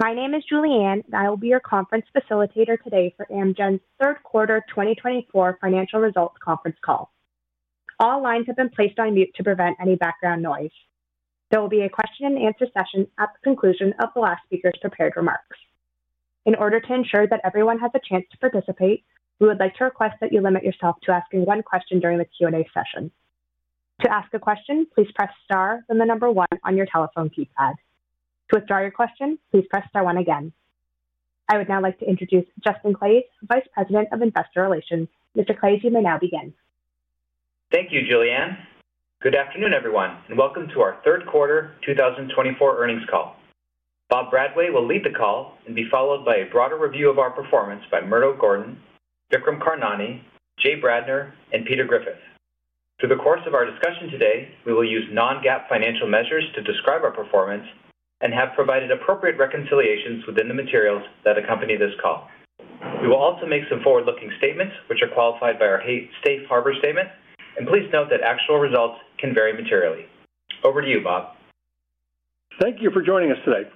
My name is Julie Ann, and I will be your conference facilitator today for Amgen's third quarter 2024 financial results conference call. All lines have been placed on mute to prevent any background noise. There will be a question-and-answer session at the conclusion of the last speaker's prepared remarks. In order to ensure that everyone has a chance to participate, we would like to request that you limit yourself to asking one question during the Q&A session. To ask a question, please press star then the number one on your telephone keypad. To withdraw your question, please press star one again. I would now like to introduce Justin Claeys, Vice President of Investor Relations. Mr. Claeys, you may now begin. Thank you, Julie Ann. Good afternoon, everyone, and welcome to our third quarter 2024 earnings call. Bob Bradway will lead the call and be followed by a broader review of our performance by Murdo Gordon, Vikram Karnani, Jay Bradner, and Peter Griffith. Through the course of our discussion today, we will use non-GAAP financial measures to describe our performance and have provided appropriate reconciliations within the materials that accompany this call. We will also make some forward-looking statements, which are qualified by our safe harbor statement. And please note that actual results can vary materially. Over to you, Bob. Thank you for joining us today.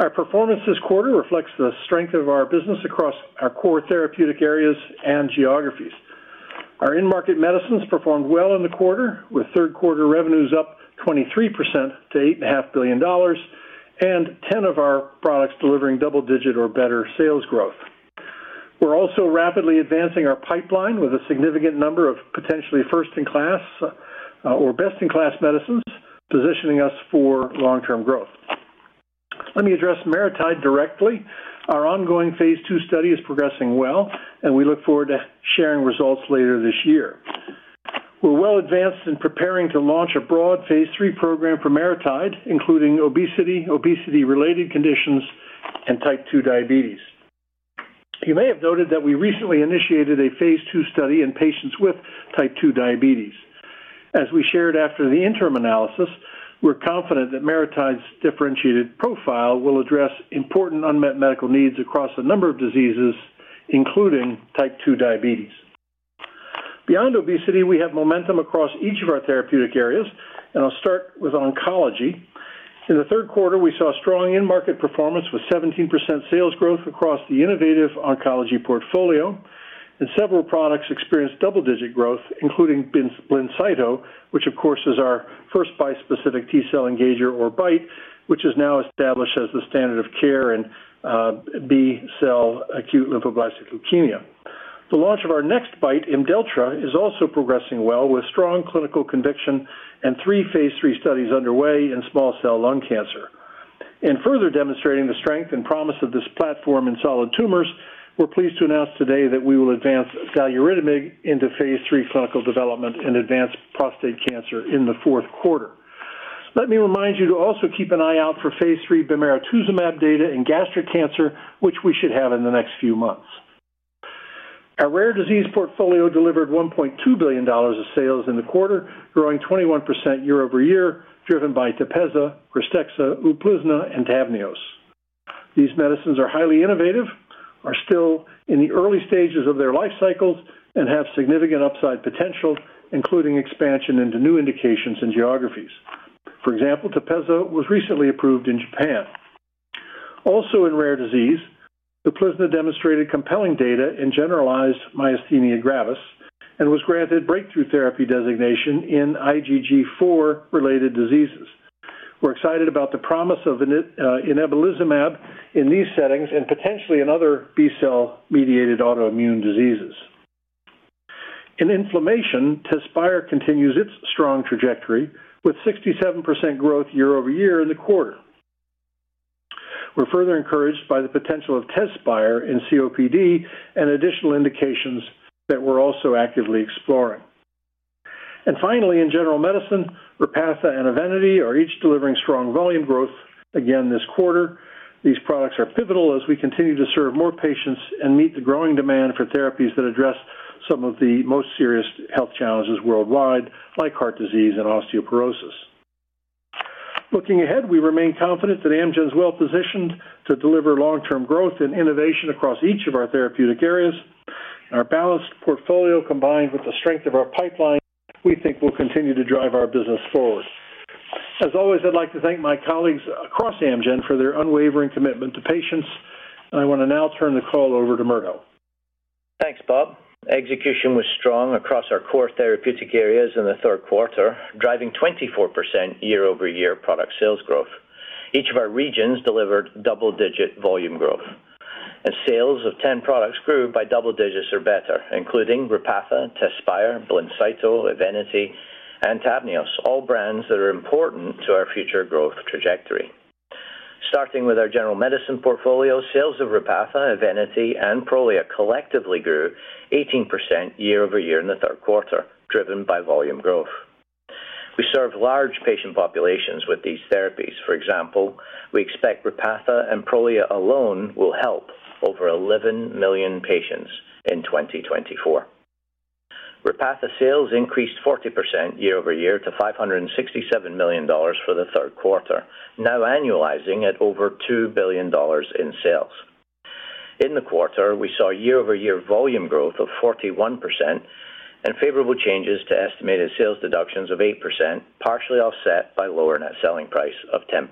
Our performance this quarter reflects the strength of our business across our core therapeutic areas and geographies. Our in-market medicines performed well in the quarter, with third quarter revenues up 23% to $8.5 billion and 10 of our products delivering double-digit or better sales growth. We're also rapidly advancing our pipeline with a significant number of potentially first-in-class or best-in-class medicines, positioning us for long-term growth. Let me address MariTide directly. Our ongoing phase II study is progressing well, and we look forward to sharing results later this year. We're well advanced in preparing to launch a broad phase III program for MariTide, including obesity, obesity-related conditions, and type 2 diabetes. You may have noted that we recently initiated a phase II study in patients with type 2 diabetes. As we shared after the interim analysis, we're confident that MariTide's differentiated profile will address important unmet medical needs across a number of diseases, including type 2 diabetes. Beyond obesity, we have momentum across each of our therapeutic areas, and I'll start with oncology. In the third quarter, we saw strong in-market performance with 17% sales growth across the innovative oncology portfolio, and several products experienced double-digit growth, including Blincyto, which of course is our first bispecific T-cell engager or BiTE, which is now established as the standard of care in B-cell acute lymphoblastic leukemia. The launch of our next BiTE, Imdelltra, is also progressing well, with strong clinical conviction and three phase III studies underway in small cell lung cancer. In further demonstrating the strength and promise of this platform in solid tumors, we're pleased to announce today that we will advance xaluritamig into phase III clinical development in advanced prostate cancer in the fourth quarter. Let me remind you to also keep an eye out for phase III bemarituzumab data in gastric cancer, which we should have in the next few months. Our rare disease portfolio delivered $1.2 billion of sales in the quarter, growing 21% year over year, driven by Tepezza, Krystexxa, Uplizna, and Tavneos. These medicines are highly innovative, are still in the early stages of their life cycles, and have significant upside potential, including expansion into new indications and geographies. For example, Tepezza was recently approved in Japan. Also in rare disease, Uplizna demonstrated compelling data in generalized myasthenia gravis and was granted breakthrough therapy designation in IgG4-related diseases. We're excited about the promise of inebilizumab in these settings and potentially in other B-cell-mediated autoimmune diseases. In inflammation, Tezspire continues its strong trajectory with 67% growth year over year in the quarter. We're further encouraged by the potential of Tezspire in COPD and additional indications that we're also actively exploring. And finally, in general medicine, Repatha and Evenity are each delivering strong volume growth again this quarter. These products are pivotal as we continue to serve more patients and meet the growing demand for therapies that address some of the most serious health challenges worldwide, like heart disease and osteoporosis. Looking ahead, we remain confident that Amgen is well positioned to deliver long-term growth and innovation across each of our therapeutic areas. Our balanced portfolio, combined with the strength of our pipeline, we think will continue to drive our business forward. As always, I'd like to thank my colleagues across Amgen for their unwavering commitment to patients. I want to now turn the call over to Murdo. Thanks, Bob. Execution was strong across our core therapeutic areas in the third quarter, driving 24% year-over-year product sales growth. Each of our regions delivered double-digit volume growth, and sales of 10 products grew by double digits or better, including Repatha, Tezspire, Blincyto, Evenity, and Tavneos, all brands that are important to our future growth trajectory. Starting with our general medicine portfolio, sales of Repatha, Evenity, and Prolia collectively grew 18% year-over-year in the third quarter, driven by volume growth. We serve large patient populations with these therapies. For example, we expect Repatha and Prolia alone will help over 11 million patients in 2024. Repatha sales increased 40% year-over-year to $567 million for the third quarter, now annualizing at over $2 billion in sales. In the quarter, we saw year-over-year volume growth of 41% and favorable changes to estimated sales deductions of 8%, partially offset by lower net selling price of 10%.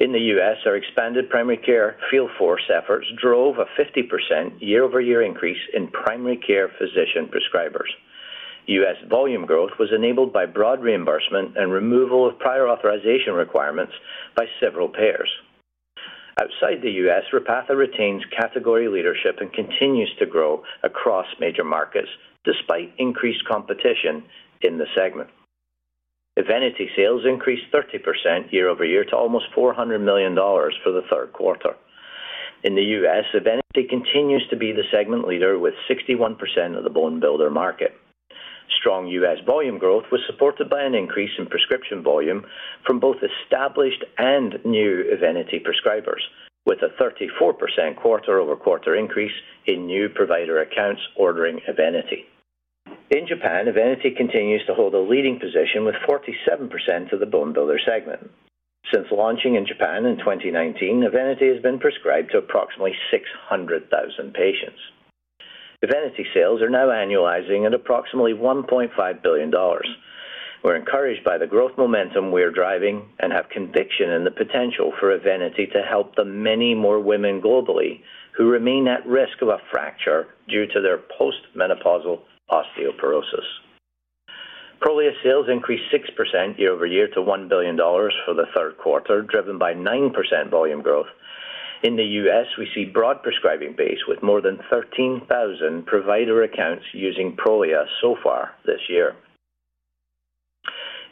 In the U.S., our expanded primary care field force efforts drove a 50% year-over-year increase in primary care physician prescribers. U.S. volume growth was enabled by broad reimbursement and removal of prior authorization requirements by several payers. Outside the U.S., Repatha retains category leadership and continues to grow across major markets despite increased competition in the segment. Evenity sales increased 30% year-over-year to almost $400 million for the third quarter. In the U.S., Evenity continues to be the segment leader with 61% of the bone builder market. Strong U.S. volume growth was supported by an increase in prescription volume from both established and new Evenity prescribers, with a 34% quarter-over-quarter increase in new provider accounts ordering Evenity. In Japan, Evenity continues to hold a leading position with 47% of the bone builder segment. Since launching in Japan in 2019, Evenity has been prescribed to approximately 600,000 patients. Evenity sales are now annualizing at approximately $1.5 billion. We're encouraged by the growth momentum we're driving and have conviction in the potential for Evenity to help the many more women globally who remain at risk of a fracture due to their postmenopausal osteoporosis. Prolia sales increased 6% year-over-year to $1 billion for the third quarter, driven by 9% volume growth. In the U.S., we see a broad prescribing base with more than 13,000 provider accounts using Prolia so far this year.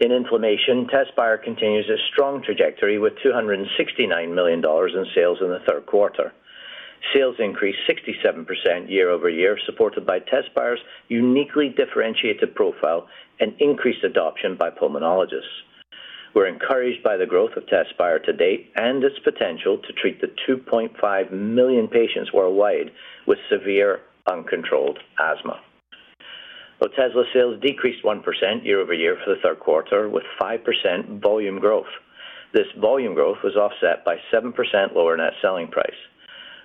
In inflammation, Tezspire continues a strong trajectory with $269 million in sales in the third quarter. Sales increased 67% year-over-year, supported by Tezspire's uniquely differentiated profile and increased adoption by pulmonologists. We're encouraged by the growth of Tezspire to date and its potential to treat the 2.5 million patients worldwide with severe uncontrolled asthma. Otezla sales decreased 1% year-over-year for the third quarter, with 5% volume growth. This volume growth was offset by 7% lower net selling price.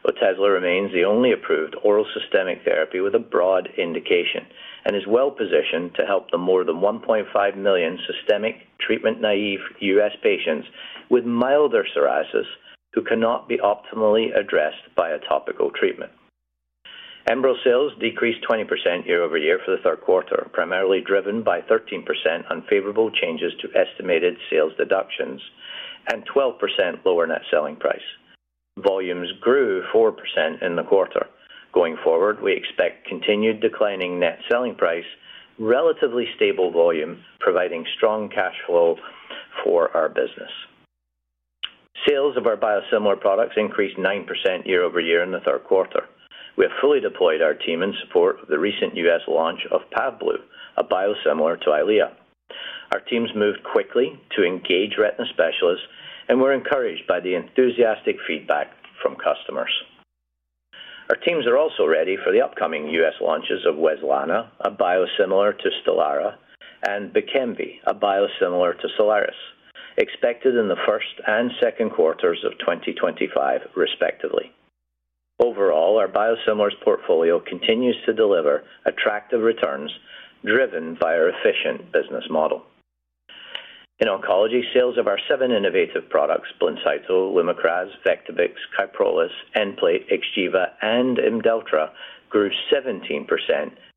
Otezla remains the only approved oral systemic therapy with a broad indication and is well positioned to help the more than 1.5 million systemic treatment-naive U.S. patients with milder psoriasis who cannot be optimally addressed by a topical treatment. Nplate sales decreased 20% year-over-year for the third quarter, primarily driven by 13% unfavorable changes to estimated sales deductions and 12% lower net selling price. Volumes grew 4% in the quarter. Going forward, we expect continued declining net selling price, relatively stable volume, providing strong cash flow for our business. Sales of our biosimilar products increased 9% year-over-year in the third quarter. We have fully deployed our team in support of the recent U.S. launch of Pavblu, a biosimilar to Eylea. Our teams moved quickly to engage retina specialists, and we're encouraged by the enthusiastic feedback from customers. Our teams are also ready for the upcoming U.S. launches of Wezlana, a biosimilar to Stelara, and Bkemv, a biosimilar to Soliris, expected in the first and second quarters of 2025, respectively. Overall, our biosimilars portfolio continues to deliver attractive returns driven by our efficient business model. In oncology, sales of our seven innovative products, Blincyto, Lumakras, Vectibix, Kyprolis, Nplate, XGEVA, and Imdelltra, grew 17%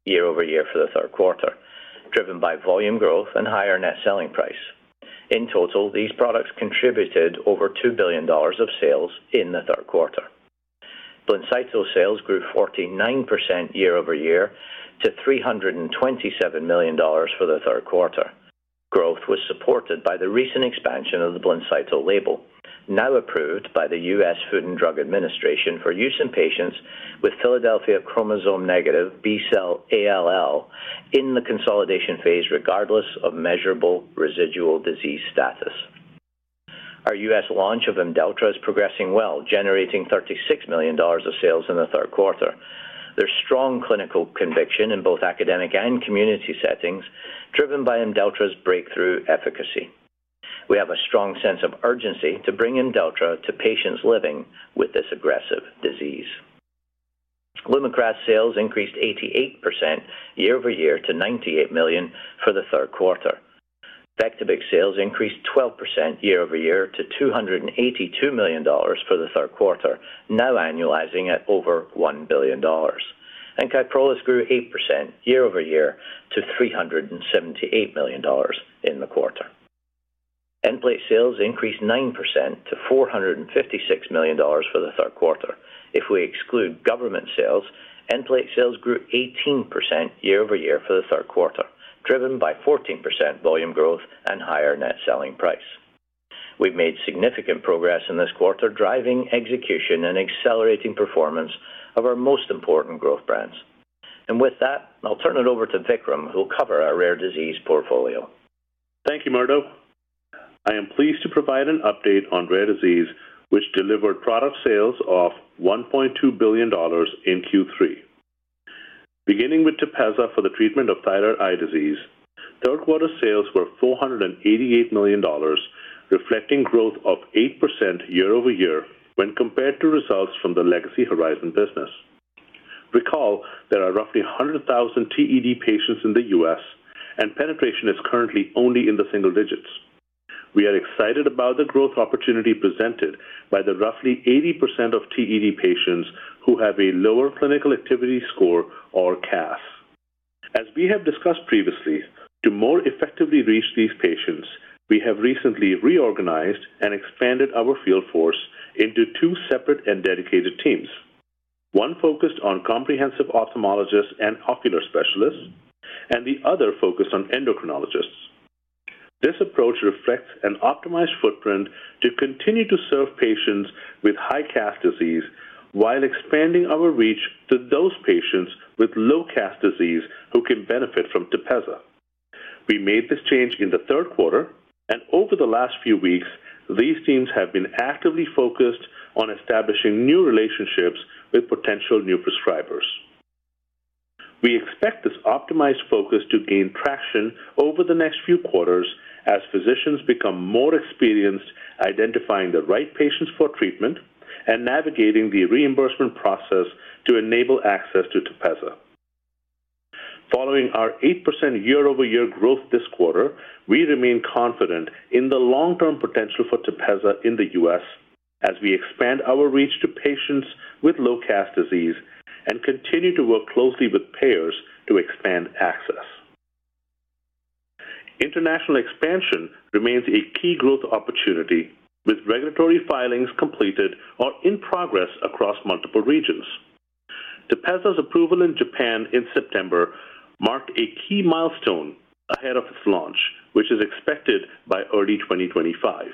year-over-year for the third quarter, driven by volume growth and higher net selling price. In total, these products contributed over $2 billion of sales in the third quarter. Blincyto sales grew 49% year-over-year to $327 million for the third quarter. Growth was supported by the recent expansion of the Blincyto label, now approved by the U.S. Food and Drug Administration for use in patients with Philadelphia chromosome-negative B-cell ALL in the consolidation phase, regardless of measurable residual disease status. Our U.S. launch of Imdelltra is progressing well, generating $36 million of sales in the third quarter. There's strong clinical conviction in both academic and community settings, driven by Imdelltra's breakthrough efficacy. We have a strong sense of urgency to bring Imdelltra to patients living with this aggressive disease. Lumakras sales increased 88% year-over-year to $98 million for the third quarter. Vectibix sales increased 12% year-over-year to $282 million for the third quarter, now annualizing at over $1 billion. And Kyprolis grew 8% year-over-year to $378 million in the quarter. Nplate sales increased 9% to $456 million for the third quarter. If we exclude government sales, Nplate sales grew 18% year-over-year for the third quarter, driven by 14% volume growth and higher net selling price. We've made significant progress in this quarter, driving execution and accelerating performance of our most important growth brands, and with that, I'll turn it over to Vikram, who'll cover our rare disease portfolio. Thank you, Murdo. I am pleased to provide an update on rare disease, which delivered product sales of $1.2 billion in Q3. Beginning with Tepezza for the treatment of thyroid eye disease, third-quarter sales were $488 million, reflecting growth of 8% year-over-year when compared to results from the Legacy Horizon business. Recall, there are roughly 100,000 TED patients in the U.S., and penetration is currently only in the single digits. We are excited about the growth opportunity presented by the roughly 80% of TED patients who have a lower clinical activity score, or CAS. As we have discussed previously, to more effectively reach these patients, we have recently reorganized and expanded our field force into two separate and dedicated teams. One focused on comprehensive ophthalmologists and ocular specialists, and the other focused on endocrinologists. This approach reflects an optimized footprint to continue to serve patients with high CAS disease while expanding our reach to those patients with low CAS disease who can benefit from Tepezza. We made this change in the third quarter, and over the last few weeks, these teams have been actively focused on establishing new relationships with potential new prescribers. We expect this optimized focus to gain traction over the next few quarters as physicians become more experienced identifying the right patients for treatment and navigating the reimbursement process to enable access to Tepezza. Following our 8% year-over-year growth this quarter, we remain confident in the long-term potential for Tepezza in the U.S. as we expand our reach to patients with low CAS disease and continue to work closely with payers to expand access. International expansion remains a key growth opportunity with regulatory filings completed or in progress across multiple regions. Tepezza's approval in Japan in September marked a key milestone ahead of its launch, which is expected by early 2025.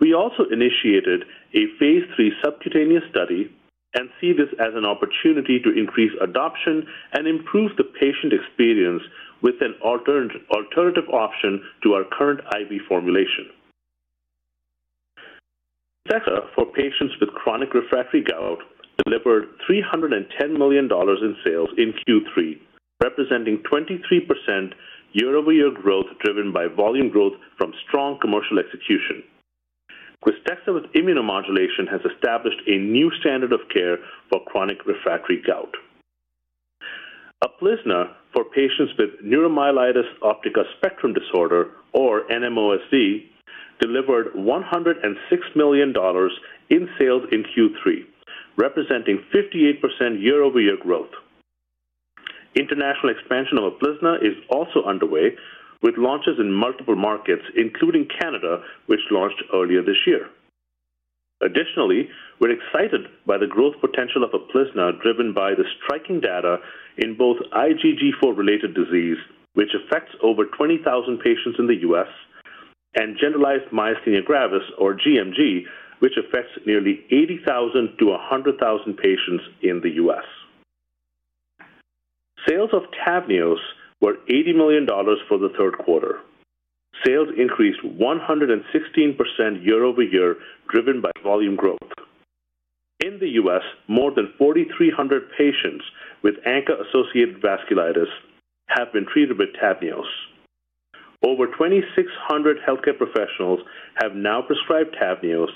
We also initiated a phase III subcutaneous study and see this as an opportunity to increase adoption and improve the patient experience with an alternative option to our current IV formulation. Krystexxa for patients with chronic refractory gout delivered $310 million in sales in Q3, representing 23% year-over-year growth driven by volume growth from strong commercial execution. Krystexxa with immunomodulation has established a new standard of care for chronic refractory gout. Uplizna for patients with neuromyelitis optica spectrum disorder, or NMOSD, delivered $106 million in sales in Q3, representing 58% year-over-year growth. International expansion of Uplizna is also underway, with launches in multiple markets, including Canada, which launched earlier this year. Additionally, we're excited by the growth potential of Uplizna driven by the striking data in both IgG4-related disease, which affects over 20,000 patients in the U.S., and generalized myasthenia gravis, or GMG, which affects nearly 80,000 - 100,000 patients in the U.S. Sales of Tavneos were $80 million for the third quarter. Sales increased 116% year-over-year, driven by volume growth. In the US, more than 4,300 patients with ANCA-associated vasculitis have been treated with Tavneos. Over 2,600 healthcare professionals have now prescribed Tavneos,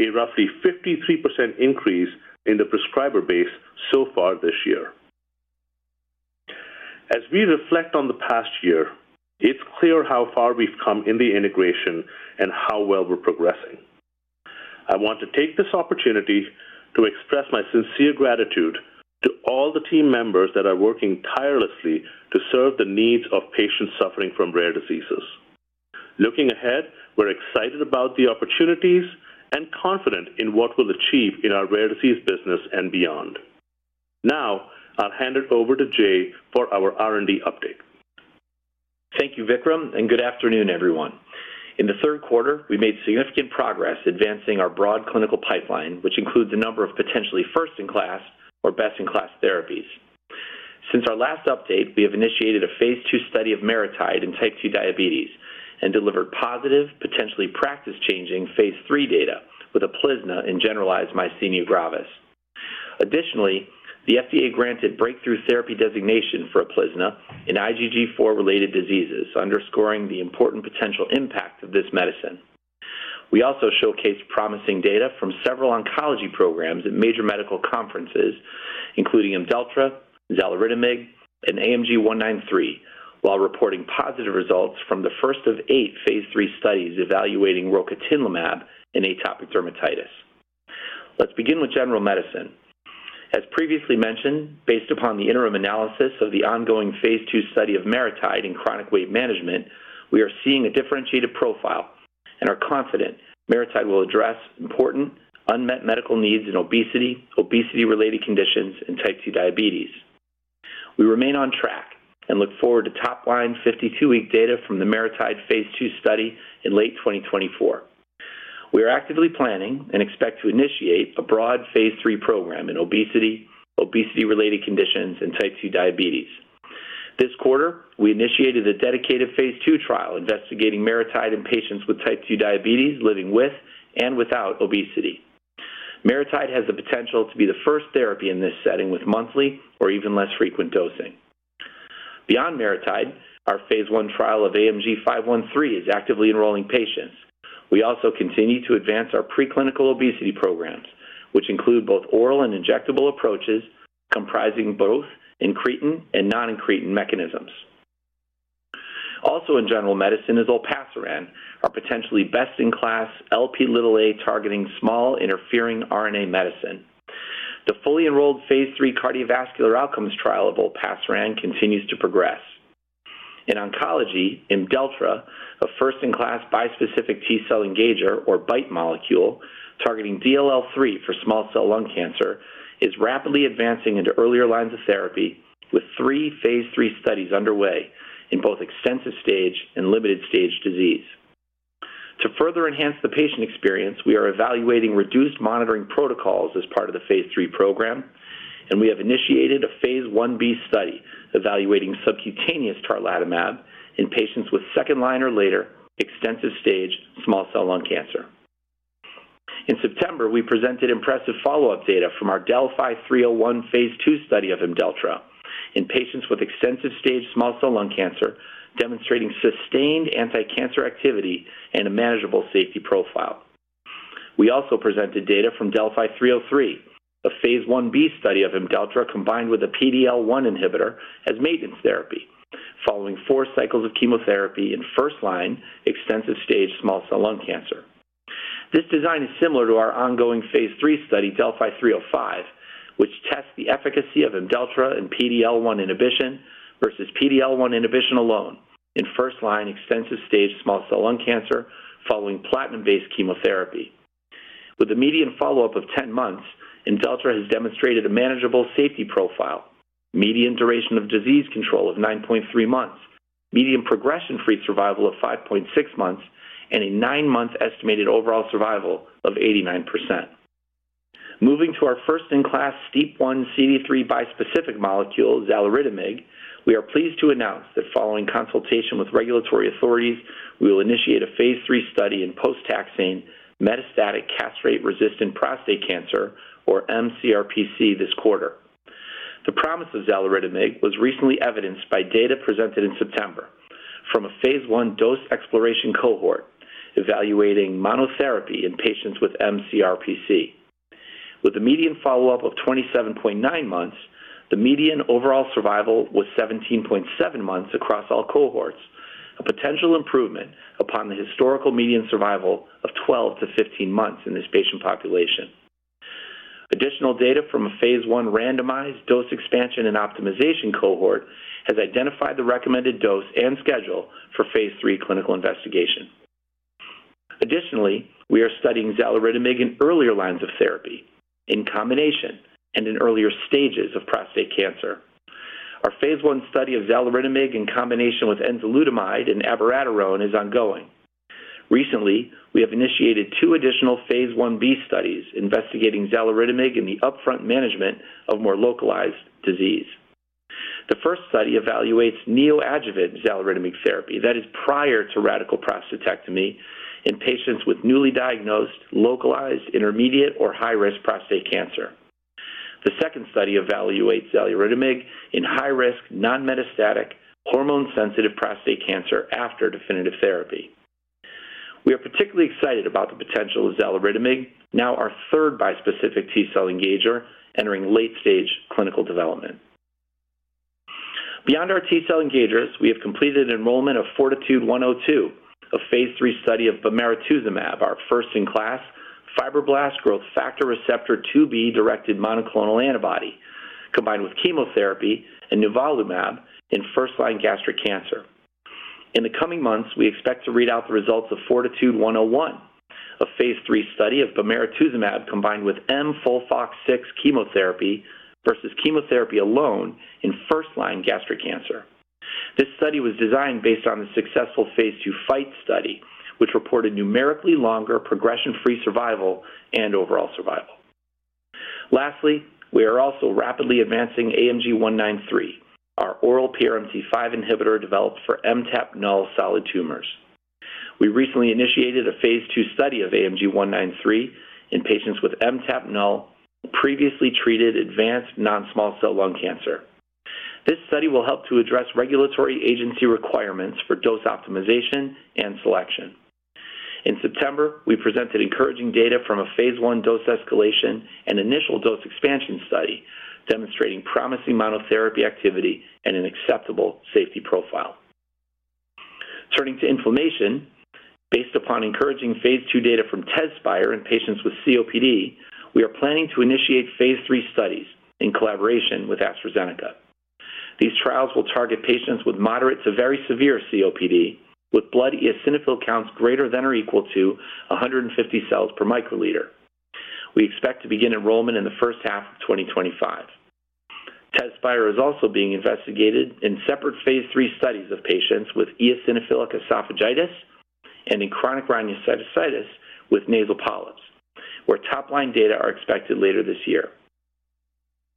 a roughly 53% increase in the prescriber base so far this year. As we reflect on the past year, it's clear how far we've come in the integration and how well we're progressing. I want to take this opportunity to express my sincere gratitude to all the team members that are working tirelessly to serve the needs of patients suffering from rare diseases. Looking ahead, we're excited about the opportunities and confident in what we'll achieve in our rare disease business and beyond. Now, I'll hand it over to Jay for our R&D update. Thank you, Vikram, and good afternoon, everyone. In the third quarter, we made significant progress advancing our broad clinical pipeline, which includes a number of potentially first-in-class or best-in-class therapies. Since our last update, we have initiated a phase two study of MariTide in type 2 diabetes and delivered positive, potentially practice-changing phase III data with Uplizna and generalized myasthenia gravis. Additionally, the FDA granted breakthrough therapy designation for Uplizna in IgG4-related diseases, underscoring the important potential impact of this medicine. We also showcased promising data from several oncology programs at major medical conferences, including Imdelltra, xaluritamig, and AMG 193, while reporting positive results from the first of eight phase III studies evaluating rocatinlimab in atopic dermatitis. Let's begin with general medicine. As previously mentioned, based upon the interim analysis of the ongoing phase II study of MariTide in chronic weight management, we are seeing a differentiated profile and are confident MariTide will address important unmet medical needs in obesity, obesity-related conditions, and type 2 diabetes. We remain on track and look forward to top-line 52-week data from the MariTide phase II study in late 2024. We are actively planning and expect to initiate a broad phase III program in obesity, obesity-related conditions, and type 2 diabetes. This quarter, we initiated a dedicated phase II trial investigating MariTide in patients with type 2 diabetes living with and without obesity. MariTide has the potential to be the first therapy in this setting with monthly or even less frequent dosing. Beyond MariTide, our phase I trial of AMG 513 is actively enrolling patients. We also continue to advance our preclinical obesity programs, which include both oral and injectable approaches comprising both incretin and non-incretin mechanisms. Also in general medicine is olpasiran, our potentially best-in-class Lp(a) targeting small interfering RNA medicine. The fully enrolled phase III cardiovascular outcomes trial of olpasiran continues to progress. In oncology, Imdelltra, a first-in-class bispecific T-cell engager, or BiTE molecule, targeting DLL3 for small cell lung cancer, is rapidly advancing into earlier lines of therapy with three phase III studies underway in both extensive stage and limited stage disease. To further enhance the patient experience, we are evaluating reduced monitoring protocols as part of the phase III program, and we have initiated a phase I-B study evaluating subcutaneous tarlatamab in patients with second-line or later extensive stage small cell lung cancer. In September, we presented impressive follow-up data from our Delphi 301 phase II study of Imdelltra in patients with extensive stage small cell lung cancer, demonstrating sustained anti-cancer activity and a manageable safety profile. We also presented data from Delphi 303, a phase I-B study of Imdelltra combined with a PD-L1 inhibitor as maintenance therapy following four cycles of chemotherapy in first-line extensive stage small cell lung cancer. This design is similar to our ongoing phase III study, Delphi 305, which tests the efficacy of Imdelltra and PD-L1 inhibition versus PD-L1 inhibition alone in first-line extensive stage small cell lung cancer following platinum-based chemotherapy. With a median follow-up of 10 months, Imdelltra has demonstrated a manageable safety profile, median duration of disease control of 9.3 months, median progression-free survival of 5.6 months, and a nine-month estimated overall survival of 89%. Moving to our first-in-class STEAP1 CD3 bispecific molecule, xaluritamig, we are pleased to announce that following consultation with regulatory authorities, we will initiate a phase III study in post-taxane metastatic castrate-resistant prostate cancer, or mCRPC, this quarter. The promise of xaluritamig was recently evidenced by data presented in September from a phase I dose exploration cohort evaluating monotherapy in patients with mCRPC. With a median follow-up of 27.9 months, the median overall survival was 17.7 months across all cohorts, a potential improvement upon the historical median survival of 12 - 15 months in this patient population. Additional data from a phase I randomized dose expansion and optimization cohort has identified the recommended dose and schedule for phase three clinical investigation. Additionally, we are studying xaluritamig in earlier lines of therapy, in combination and in earlier stages of prostate cancer. Our phase I study of xaluritamig in combination with enzalutamide and abiraterone is ongoing. Recently, we have initiated two additional phase I-B studies investigating xaluritamig in the upfront management of more localized disease. The first study evaluates neoadjuvant xaluritamig therapy that is prior to radical prostatectomy in patients with newly diagnosed localized, intermediate, or high-risk prostate cancer. The second study evaluates xaluritamig in high-risk non-metastatic hormone-sensitive prostate cancer after definitive therapy. We are particularly excited about the potential of xaluritamig, now our third bispecific T-cell engager entering late-stage clinical development. Beyond our T-cell engagers, we have completed enrollment of Fortitude 102, a phase III study of bemarituzumab, our first-in-class fibroblast growth factor receptor 2b-directed monoclonal antibody, combined with chemotherapy and nivolumab in first-line gastric cancer. In the coming months, we expect to read out the results of Fortitude 101, a phase III study of bemarituzumab combined with mFOLFOX6 chemotherapy versus chemotherapy alone in first-line gastric cancer. This study was designed based on the successful phase II FIGHT study, which reported numerically longer progression-free survival and overall survival. Lastly, we are also rapidly advancing AMG 193, our oral PRMT5 inhibitor developed for MTAP-null solid tumors. We recently initiated a phase II study of AMG 193 in patients with MTAP-null previously treated advanced non-small cell lung cancer. This study will help to address regulatory agency requirements for dose optimization and selection. In September, we presented encouraging data from a phase I dose escalation and initial dose expansion study demonstrating promising monotherapy activity and an acceptable safety profile. Turning to inflammation, based upon encouraging phase II data from Tezspire in patients with COPD, we are planning to initiate phase III studies in collaboration with AstraZeneca. These trials will target patients with moderate to very severe COPD with blood eosinophil counts greater than or equal to 150 cells per microliter. We expect to begin enrollment in the first half of 2025. Tezspire is also being investigated in separate phase III studies of patients with eosinophilic esophagitis and in chronic rhinosinusitis with nasal polyps, where top-line data are expected later this year.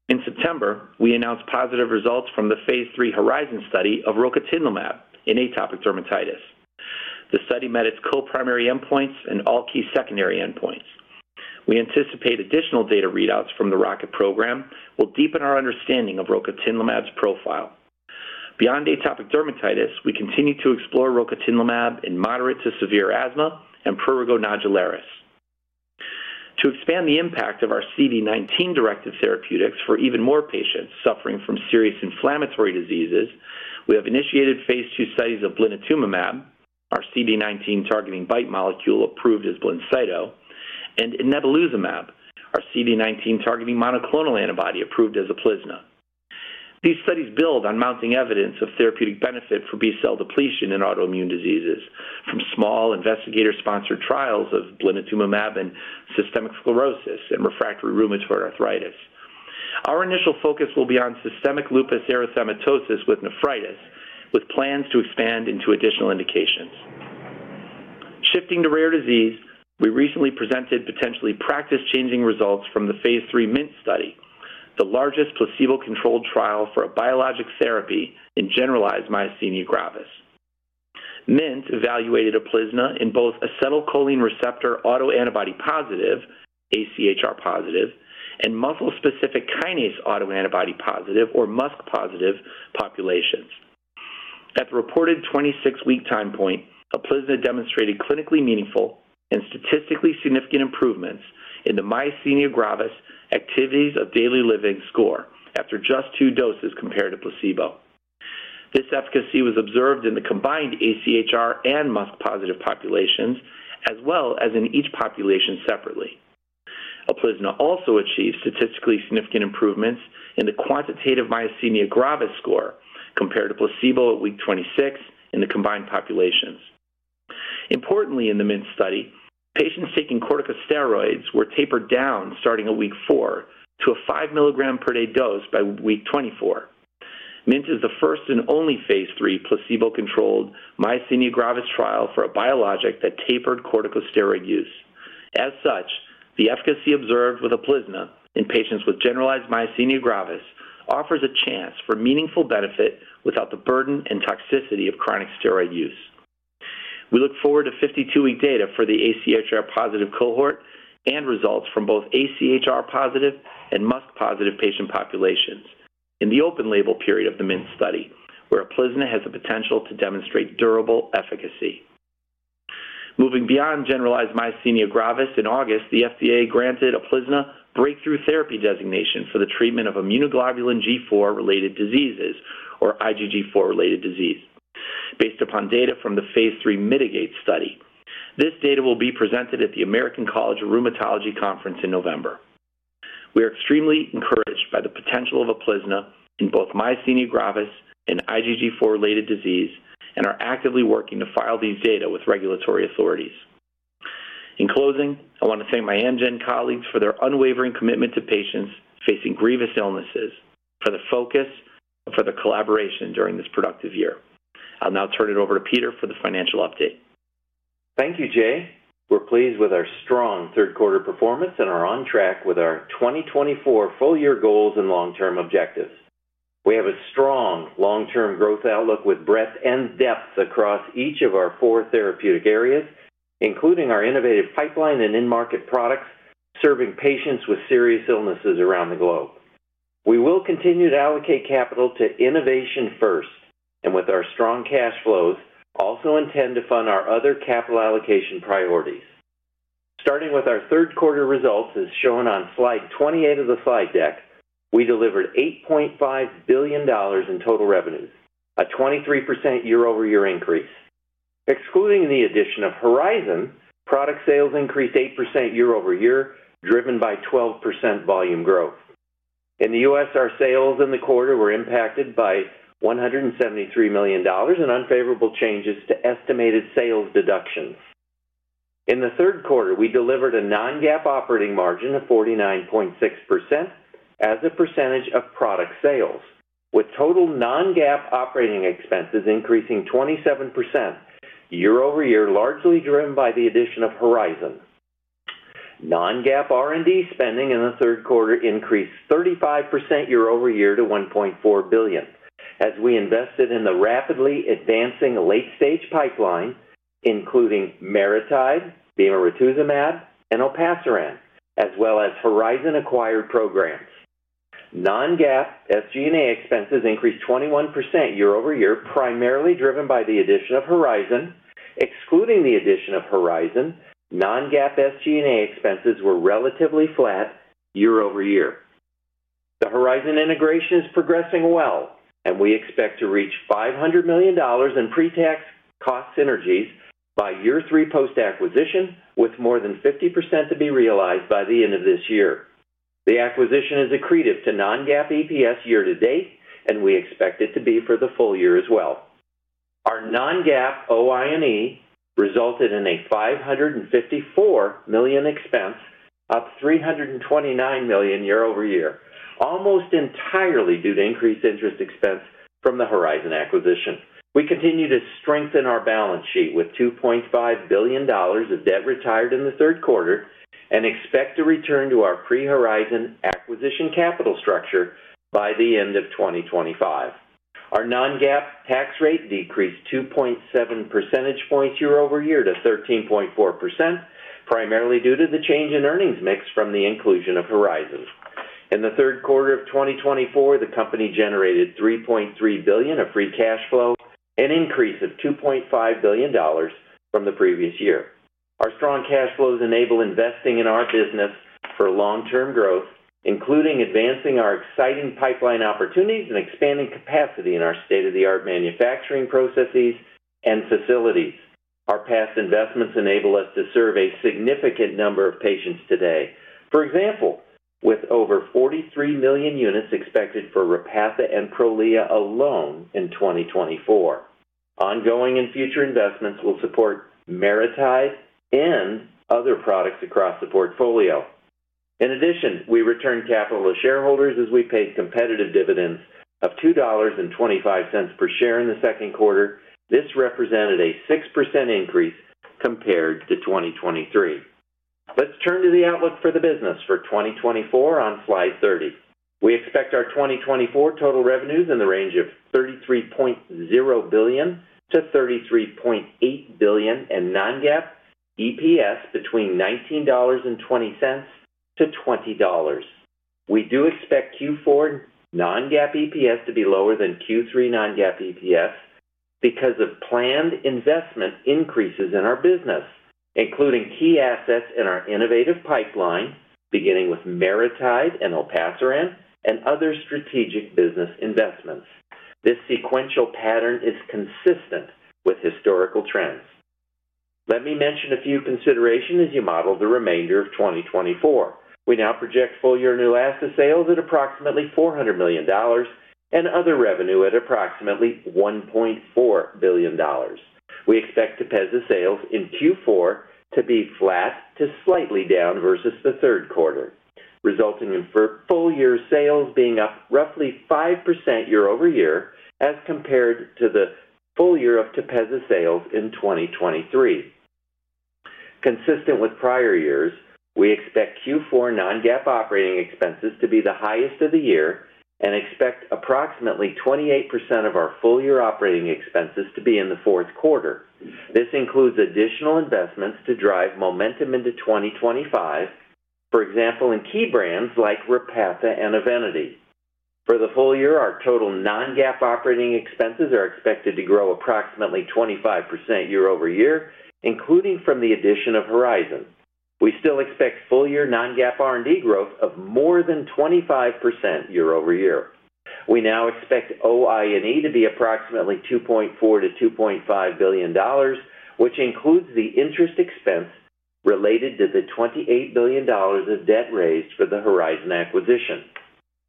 In September, we announced positive results from the phase III Horizon study of rocatinlimab in atopic dermatitis. The study met its co-primary endpoints and all key secondary endpoints. We anticipate additional data readouts from the ROCKET program will deepen our understanding of rocatinlimab's profile. Beyond atopic dermatitis, we continue to explore rocatinlimab in moderate to severe asthma and prurigo nodularis. To expand the impact of our CD19-directed therapeutics for even more patients suffering from serious inflammatory diseases, we have initiated phase II studies of blinatumomab, our CD19-targeting BiTE molecule approved as Blincyto, and inebilizumab, our CD19-targeting monoclonal antibody approved as Uplizna. These studies build on mounting evidence of therapeutic benefit for B-cell depletion in autoimmune diseases from small investigator-sponsored trials of blinatumomab in systemic sclerosis and refractory rheumatoid arthritis. Our initial focus will be on systemic lupus erythematosus with nephritis, with plans to expand into additional indications. Shifting to rare disease, we recently presented potentially practice-changing results from the phase III MINT study, the largest placebo-controlled trial for a biologic therapy in generalized myasthenia gravis. MINT evaluated Uplizna in both acetylcholine receptor autoantibody positive, AChR positive, and muscle-specific kinase autoantibody positive, or MuSK positive, populations. At the reported 26-week time point, Uplizna demonstrated clinically meaningful and statistically significant improvements in the myasthenia gravis activities of daily living score after just two doses compared to placebo. This efficacy was observed in the combined AChR and MuSK positive populations, as well as in each population separately. Uplizna also achieved statistically significant improvements in the quantitative myasthenia gravis score compared to placebo at week 26 in the combined populations. Importantly, in the MINT study, patients taking corticosteroids were tapered down starting at week four to a 5 mg per day dose by week 24. MINT is the first and only phase III placebo-controlled myasthenia gravis trial for a biologic that tapered corticosteroid use. As such, the efficacy observed with Uplizna in patients with generalized myasthenia gravis offers a chance for meaningful benefit without the burden and toxicity of chronic steroid use. We look forward to 52-week data for the AChR positive cohort and results from both AChR positive and MuSK positive patient populations in the open label period of the MINT study, where Uplizna has the potential to demonstrate durable efficacy. Moving beyond generalized myasthenia gravis, in August, the FDA granted Uplizna breakthrough therapy designation for the treatment of immunoglobulin G4-related diseases, or IgG4-related disease, based upon data from the phase III MITIGATE study. This data will be presented at the American College of Rheumatology conference in November. We are extremely encouraged by the potential of Uplizna in both myasthenia gravis and IgG4-related disease and are actively working to file these data with regulatory authorities. In closing, I want to thank my Amgen colleagues for their unwavering commitment to patients facing grievous illnesses, for the focus, and for the collaboration during this productive year. I'll now turn it over to Peter for the financial update. Thank you, Jay. We're pleased with our strong third-quarter performance and are on track with our 2024 full-year goals and long-term objectives. We have a strong long-term growth outlook with breadth and depth across each of our four therapeutic areas, including our innovative pipeline and in-market products serving patients with serious illnesses around the globe. We will continue to allocate capital to innovation first, and with our strong cash flows, also intend to fund our other capital allocation priorities. Starting with our third-quarter results, as shown on slide 28 of the slide deck, we delivered $8.5 billion in total revenues, a 23% year-over-year increase. Excluding the addition of Horizon, product sales increased 8% year-over-year, driven by 12% volume growth. In the U.S., our sales in the quarter were impacted by $173 million in unfavorable changes to estimated sales deductions. In the third quarter, we delivered a non-GAAP operating margin of 49.6% as a percentage of product sales, with total non-GAAP operating expenses increasing 27% year-over-year, largely driven by the addition of Horizon. non-GAAP R&D spending in the third quarter increased 35% year-over-year to $1.4 billion, as we invested in the rapidly advancing late-stage pipeline, including MariTide, bemarituzumab, and olpasiran, as well as Horizon-acquired programs. non-GAAP SG&A expenses increased 21% year-over-year, primarily driven by the addition of Horizon. Excluding the addition of Horizon, non-GAAP SG&A expenses were relatively flat year-over-year. The Horizon integration is progressing well, and we expect to reach $500 million in pre-tax cost synergies by year three post-acquisition, with more than 50% to be realized by the end of this year. The acquisition is accretive to non-GAAP EPS year to date, and we expect it to be for the full year as well. Our non-GAAP OIE resulted in a $554 million expense, up $329 million year-over-year, almost entirely due to increased interest expense from the Horizon acquisition. We continue to strengthen our balance sheet with $2.5 billion of debt retired in the third quarter and expect to return to our pre-Horizon acquisition capital structure by the end of 2025. Our non-GAAP tax rate decreased 2.7 percentage points year-over-year to 13.4%, primarily due to the change in earnings mix from the inclusion of Horizon. In the third quarter of 2024, the company generated $3.3 billion of free cash flow, an increase of $2.5 billion from the previous year. Our strong cash flows enable investing in our business for long-term growth, including advancing our exciting pipeline opportunities and expanding capacity in our state-of-the-art manufacturing processes and facilities. Our past investments enable us to serve a significant number of patients today. For example, with over 43 million units expected for Repatha and Prolia alone in 2024. Ongoing and future investments will support MariTide and other products across the portfolio. In addition, we returned capital to shareholders as we paid competitive dividends of $2.25 per share in the second quarter. This represented a 6% increase compared to 2023. Let's turn to the outlook for the business for 2024 on slide 30. We expect our 2024 total revenues in the range of $33.0 billion-$33.8 billion and non-GAAP EPS between $19.20-$20. We do expect Q4 non-GAAP EPS to be lower than Q3 non-GAAP EPS because of planned investment increases in our business, including key assets in our innovative pipeline, beginning with MariTide and olpasiran and other strategic business investments. This sequential pattern is consistent with historical trends. Let me mention a few considerations as you model the remainder of 2024. We now project full-year new asset sales at approximately $400 million and other revenue at approximately $1.4 billion. We expect Tepezza sales in Q4 to be flat to slightly down versus the third quarter, resulting in full-year sales being up roughly 5% year-over-year as compared to the full year of Tepezza sales in 2023. Consistent with prior years, we expect Q4 non-GAAP operating expenses to be the highest of the year and expect approximately 28% of our full-year operating expenses to be in the fourth quarter. This includes additional investments to drive momentum into 2025, for example, in key brands like Repatha and Evenity. For the full year, our total non-GAAP operating expenses are expected to grow approximately 25% year-over-year, including from the addition of Horizon. We still expect full-year non-GAAP R&D growth of more than 25% year-over-year. We now expect OIE to be approximately $2.4-$2.5 billion, which includes the interest expense related to the $28 billion of debt raised for the Horizon acquisition.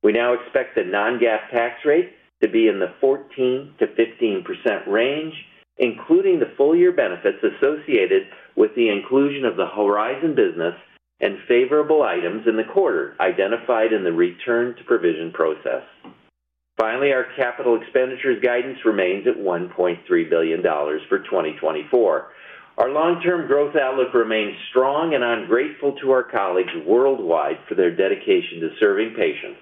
We now expect the non-GAAP tax rate to be in the 14%-15% range, including the full-year benefits associated with the inclusion of the Horizon business and favorable items in the quarter identified in the return to provision process. Finally, our capital expenditures guidance remains at $1.3 billion for 2024. Our long-term growth outlook remains strong and I'm grateful to our colleagues worldwide for their dedication to serving patients.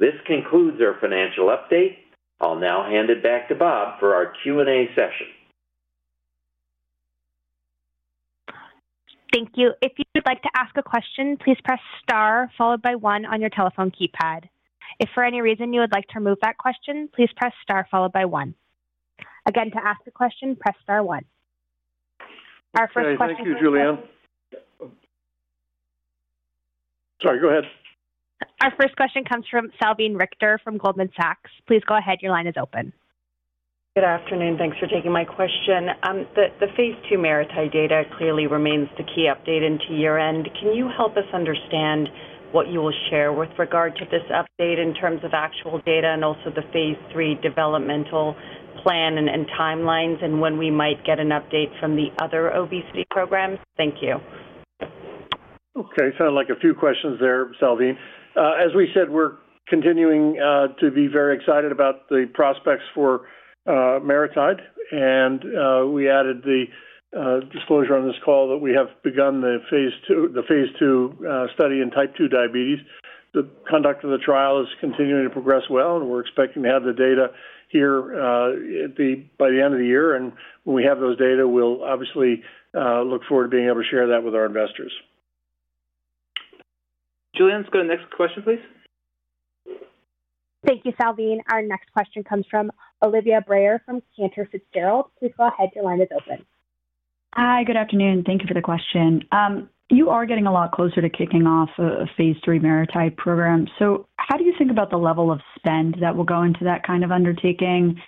This concludes our financial update. I'll now hand it back to Bob for our Q&A session. Thank you. If you'd like to ask a question, please press star followed by one on your telephone keypad. If for any reason you would like to remove that question, please press star followed by one. Again, to ask a question, press star one. Our first question comes from. Thank you, Julie Ann. Sorry, go ahead. Our first question comes from Salveen Richter from Goldman Sachs. Please go ahead. Your line is open. Good afternoon. Thanks for taking my question. The phase II MariTide data clearly remains the key update into year-end. Can you help us understand what you will share with regard to this update in terms of actual data and also the phase III developmental plan and timelines and when we might get an update from the other obesity programs? Thank you. Okay. Sounded like a few questions there, Salveen. As we said, we're continuing to be very excited about the prospects for MariTide, and we added the disclosure on this call that we have begun the phase II study in type 2 diabetes. The conduct of the trial is continuing to progress well, and we're expecting to have the data here by the end of the year. When we have those data, we'll obviously look forward to being able to share that with our investors. Julie Ann, let's go to the next question, please. Thank you, Salveen. Our next question comes from Olivia Brayer from Cantor Fitzgerald. Please go ahead; your line is open. Hi, good afternoon. Thank you for the question. You are getting a lot closer to kicking off a phase III MariTide program. So how do you think about the level of spend that will go into that kind of undertaking?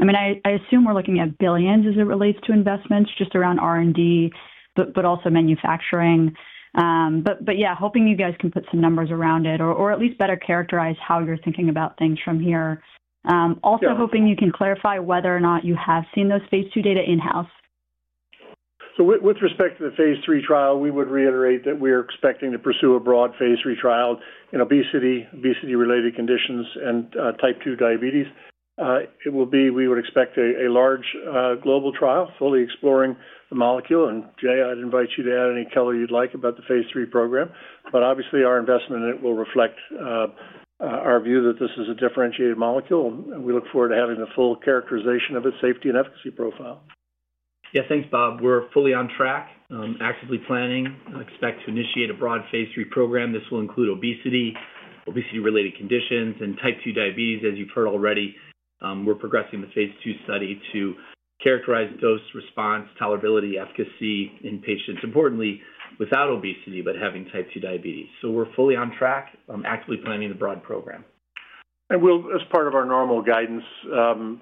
I mean, I assume we're looking at billions as it relates to investments just around R&D, but also manufacturing. But yeah, hoping you guys can put some numbers around it or at least better characterize how you're thinking about things from here. Also hoping you can clarify whether or not you have seen those phase II data in-house. With respect to the phase three trial, we would reiterate that we are expecting to pursue a broad phase III trial in obesity, obesity-related conditions, and type 2 diabetes. It will be. We would expect a large global trial fully exploring the molecule. And Jay, I'd invite you to add any color you'd like about the phase III program. But obviously, our investment in it will reflect our view that this is a differentiated molecule, and we look forward to having the full characterization of its safety and efficacy profile. Yeah, thanks, Bob. We're fully on track, actively planning, expect to initiate a broad phase III program. This will include obesity, obesity-related conditions, and type 2 diabetes. As you've heard already, we're progressing the phase II study to characterize dose, response, tolerability, efficacy in patients, importantly without obesity but having type 2 diabetes. So we're fully on track, actively planning the broad program. And as part of our normal guidance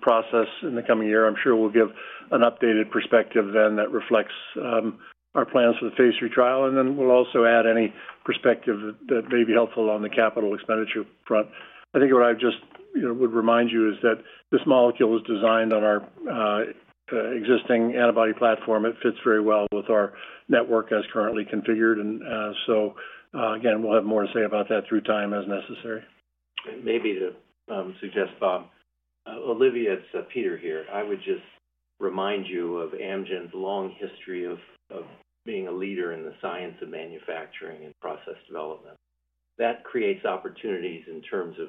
process in the coming year, I'm sure we'll give an updated perspective then that reflects our plans for the phase III trial. And then we'll also add any perspective that may be helpful on the capital expenditure front. I think what I just would remind you is that this molecule is designed on our existing antibody platform. It fits very well with our network as currently configured. And so again, we'll have more to say about that through time as necessary. And maybe to suggest, Bob, Olivia's Peter here. I would just remind you of Amgen's long history of being a leader in the science of manufacturing and process development. That creates opportunities in terms of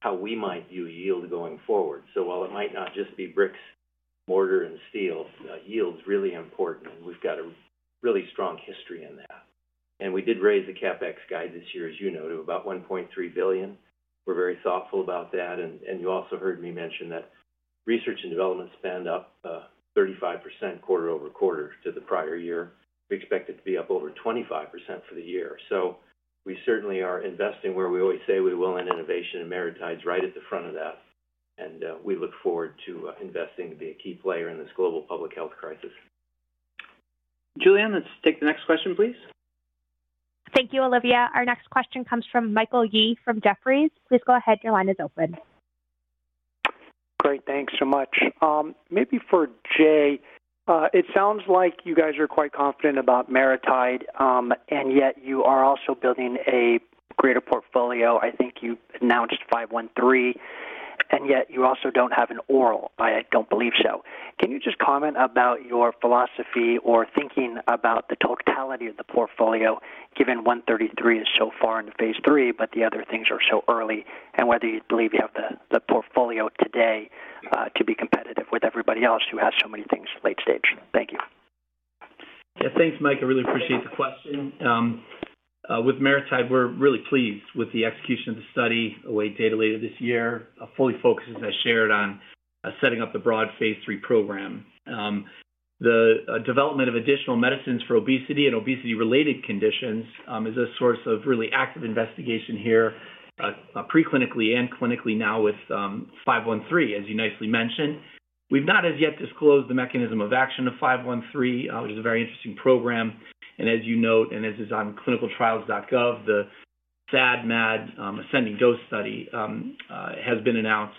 how we might view yield going forward. While it might not just be bricks, mortar, and steel, yield's really important, and we've got a really strong history in that. We did raise the CapEx guide this year, as you know, to about $1.3 billion. We're very thoughtful about that. You also heard me mention that research and development spend up 35% quarter over quarter to the prior year. We expect it to be up over 25% for the year. We certainly are investing where we always say we will in innovation and MariTide's right at the front of that. We look forward to investing to be a key player in this global public health crisis. Julie Ann, let's take the next question, please. Thank you, Olivia. Our next question comes from Michael Yee from Jefferies. Please go ahead. Your line is open. Great. Thanks so much. Maybe for Jay, it sounds like you guys are quite confident about MariTide, and yet you are also building a greater portfolio. I think you announced 513, and yet you also don't have an oral. I don't believe so. Can you just comment about your philosophy or thinking about the totality of the portfolio, given 133 is so far into phase III, but the other things are so early, and whether you believe you have the portfolio today to be competitive with everybody else who has so many things late stage? Thank you. Yeah, thanks, Mike. I really appreciate the question. With MariTide, we're really pleased with the execution of the study. We await data later this year. We're fully focused, as I shared, on setting up the broad phase III program. The development of additional medicines for obesity and obesity-related conditions is a source of really active investigation here, preclinically and clinically now with 513, as you nicely mentioned. We've not as yet disclosed the mechanism of action of 513, which is a very interesting program. And as you note, and as is on clinicaltrials.gov, the SAD/MAD ascending dose study has been announced,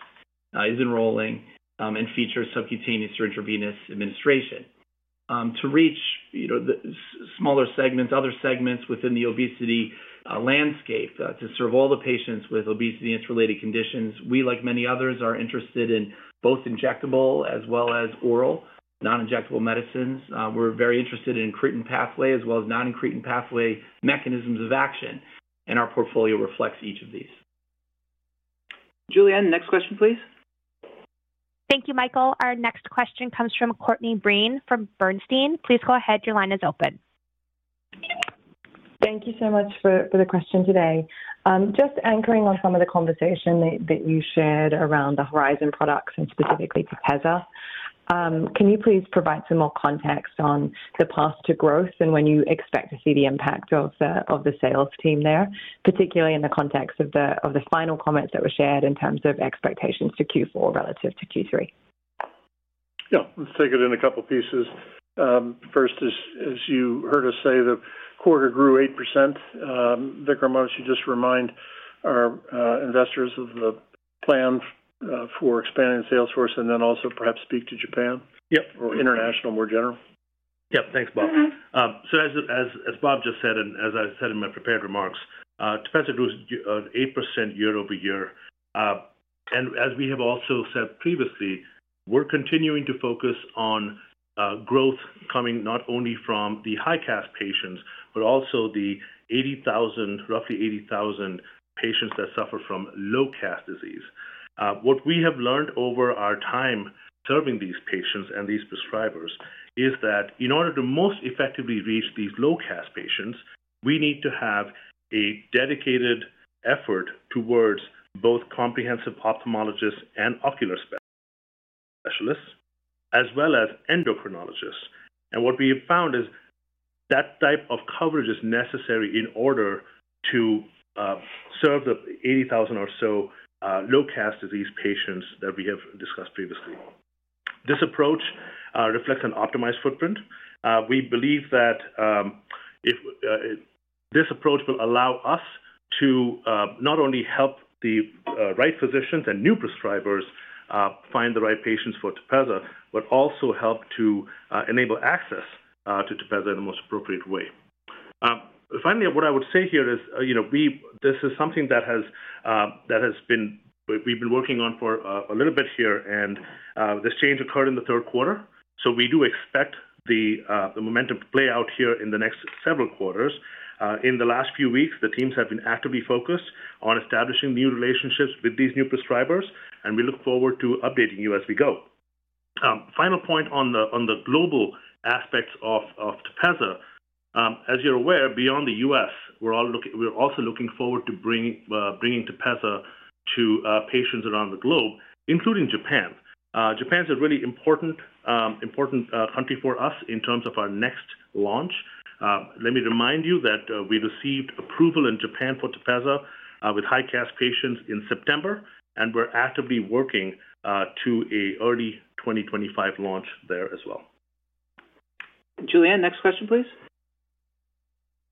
is enrolling, and features subcutaneous or intravenous administration. To reach smaller segments, other segments within the obesity landscape to serve all the patients with obesity and its related conditions, we, like many others, are interested in both injectable as well as oral non-injectable medicines. We're very interested in incretin pathway as well as non-incretin pathway mechanisms of action. And our portfolio reflects each of these. Julie Ann, next question, please. Thank you, Michael. Our next question comes from Courtney Breen from Bernstein. Please go ahead. Your line is open. Thank you so much for the question today. Just anchoring on some of the conversation that you shared around the Horizon products and specifically Tepezza, can you please provide some more context on the path to growth and when you expect to see the impact of the sales team there, particularly in the context of the final comments that were shared in terms of expectations for Q4 relative to Q3? Yeah, let's take it in a couple of pieces. First, as you heard us say, the quarter grew 8%. Vikram, why don't you just remind our investors of the plan for expanding the sales force and then also perhaps speak to Japan or international more general? Yep. Thanks, Bob. So as Bob just said, and as I said in my prepared remarks, Tepezza grew 8% year over year. As we have also said previously, we're continuing to focus on growth coming not only from the high-CAS patients, but also the roughly 80,000 patients that suffer from low-CAS disease. What we have learned over our time serving these patients and these prescribers is that in order to most effectively reach these low-CAS patients, we need to have a dedicated effort towards both comprehensive ophthalmologists and ocular specialists, as well as endocrinologists. What we have found is that type of coverage is necessary in order to serve the 80,000 or so low-CAS disease patients that we have discussed previously. This approach reflects an optimized footprint. We believe that this approach will allow us to not only help the right physicians and new prescribers find the right patients for Tepezza, but also help to enable access to Tepezza in the most appropriate way. Finally, what I would say here is this is something that we've been working on for a little bit here, and this change occurred in the third quarter. So we do expect the momentum to play out here in the next several quarters. In the last few weeks, the teams have been actively focused on establishing new relationships with these new prescribers, and we look forward to updating you as we go. Final point on the global aspects of Tepezza. As you're aware, beyond the U.S., we're also looking forward to bringing Tepezza to patients around the globe, including Japan. Japan's a really important country for us in terms of our next launch. Let me remind you that we received approval in Japan for Tepezza with high CAS patients in September, and we're actively working to an early 2025 launch there as well. Julie Ann, next question, please.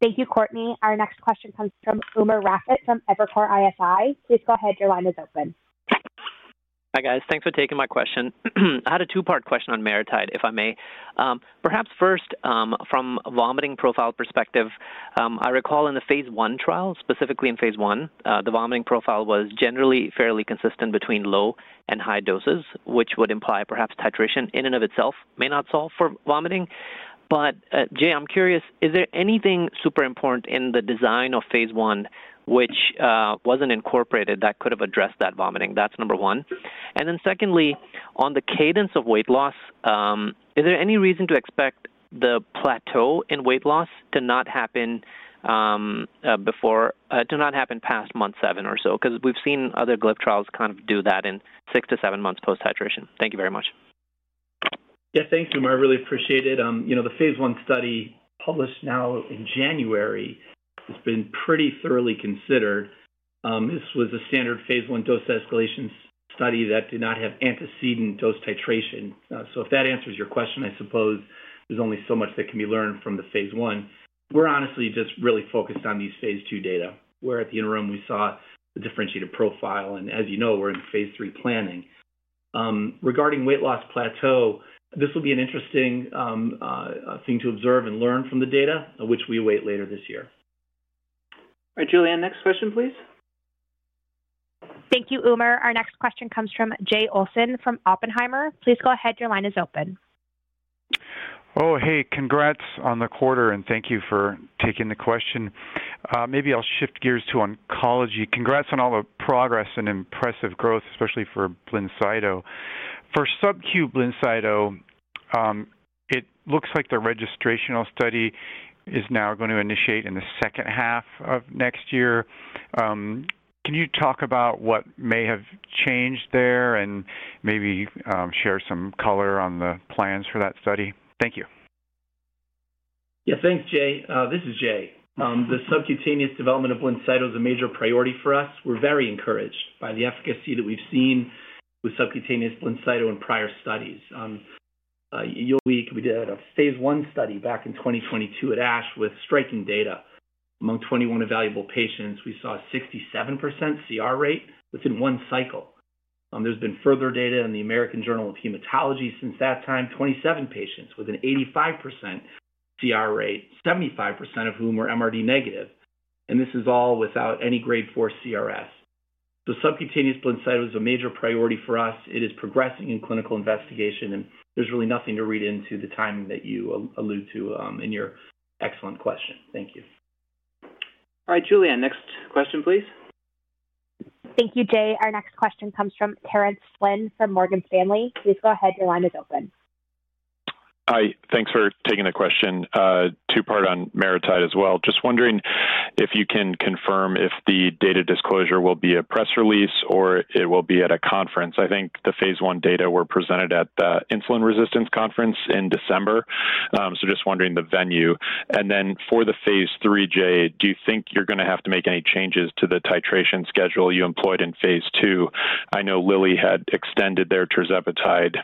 Thank you, Courtney. Our next question comes from Umer Raffat from Evercore ISI. Please go ahead. Your line is open. Hi guys. Thanks for taking my question. I had a two-part question on MariTide, if I may. Perhaps first, from a vomiting profile perspective, I recall in the phase I trial, specifically in phase I, the vomiting profile was generally fairly consistent between low and high doses, which would imply perhaps titration in and of itself may not solve for vomiting. But Jay, I'm curious, is there anything super important in the design of phase I which wasn't incorporated that could have addressed that vomiting? That's number one. And then secondly, on the cadence of weight loss, is there any reason to expect the plateau in weight loss to not happen past month seven or so? Because we've seen other GLP trials kind of do that 6-7months post titration. Thank you very much. Yeah, thank you, Umer. I really appreciate it. The phase I study published in NEJM in January has been pretty thoroughly considered. This was a standard phase I dose escalation study that did not have antecedent dose titration. So if that answers your question, I suppose there's only so much that can be learned from the phase I. We're honestly just really focused on these phase II data, where at the interim we saw the differentiated profile. And as you know, we're in phase III planning. Regarding weight loss plateau, this will be an interesting thing to observe and learn from the data, which we await later this year. All right, Julie Ann, next question, please. Thank you, Umer. Our next question comes from Jay Olson from Oppenheimer. Please go ahead. Your line is open. Oh, hey, congrats on the quarter, and thank you for taking the question. Maybe I'll shift gears to oncology. Congrats on all the progress and impressive growth, especially for Blincyto. For subcu Blincyto, it looks like the registrational study is now going to initiate in the second half of next year. Can you talk about what may have changed there and maybe share some color on the plans for that study? Thank you. Yeah, thanks, Jay. This is Jay. The subcutaneous development of Blincyto is a major priority for us. We're very encouraged by the efficacy that we've seen with subcutaneous Blincyto in prior studies. You'll recall we did a phase one study back in 2022 at ASH with striking data. Among 21 evaluable patients, we saw a 67% CR rate within one cycle. There's been further data in the American Journal of Hematology since that time, 27 patients with an 85% CR rate, 75% of whom were MRD negative, and this is all without any grade 4 CRS. The subcutaneous Blincyto is a major priority for us. It is progressing in clinical investigation, and there's really nothing to read into the timing that you allude to in your excellent question. Thank you. All right, Julie Ann, next question, please. Thank you, Jay. Our next question comes from Terence Flynn from Morgan Stanley. Please go ahead. Your line is open. Hi. Thanks for taking the question. Two-part on MariTide as well. Just wondering if you can confirm if the data disclosure will be a press release or it will be at a conference. I think the phase I data were presented at the Insulin Resistance Conference in December. So just wondering the venue. Then for the phase III, Jay, do you think you're going to have to make any changes to the titration schedule you employed in phase II? I know Lilly had extended their tirzepatide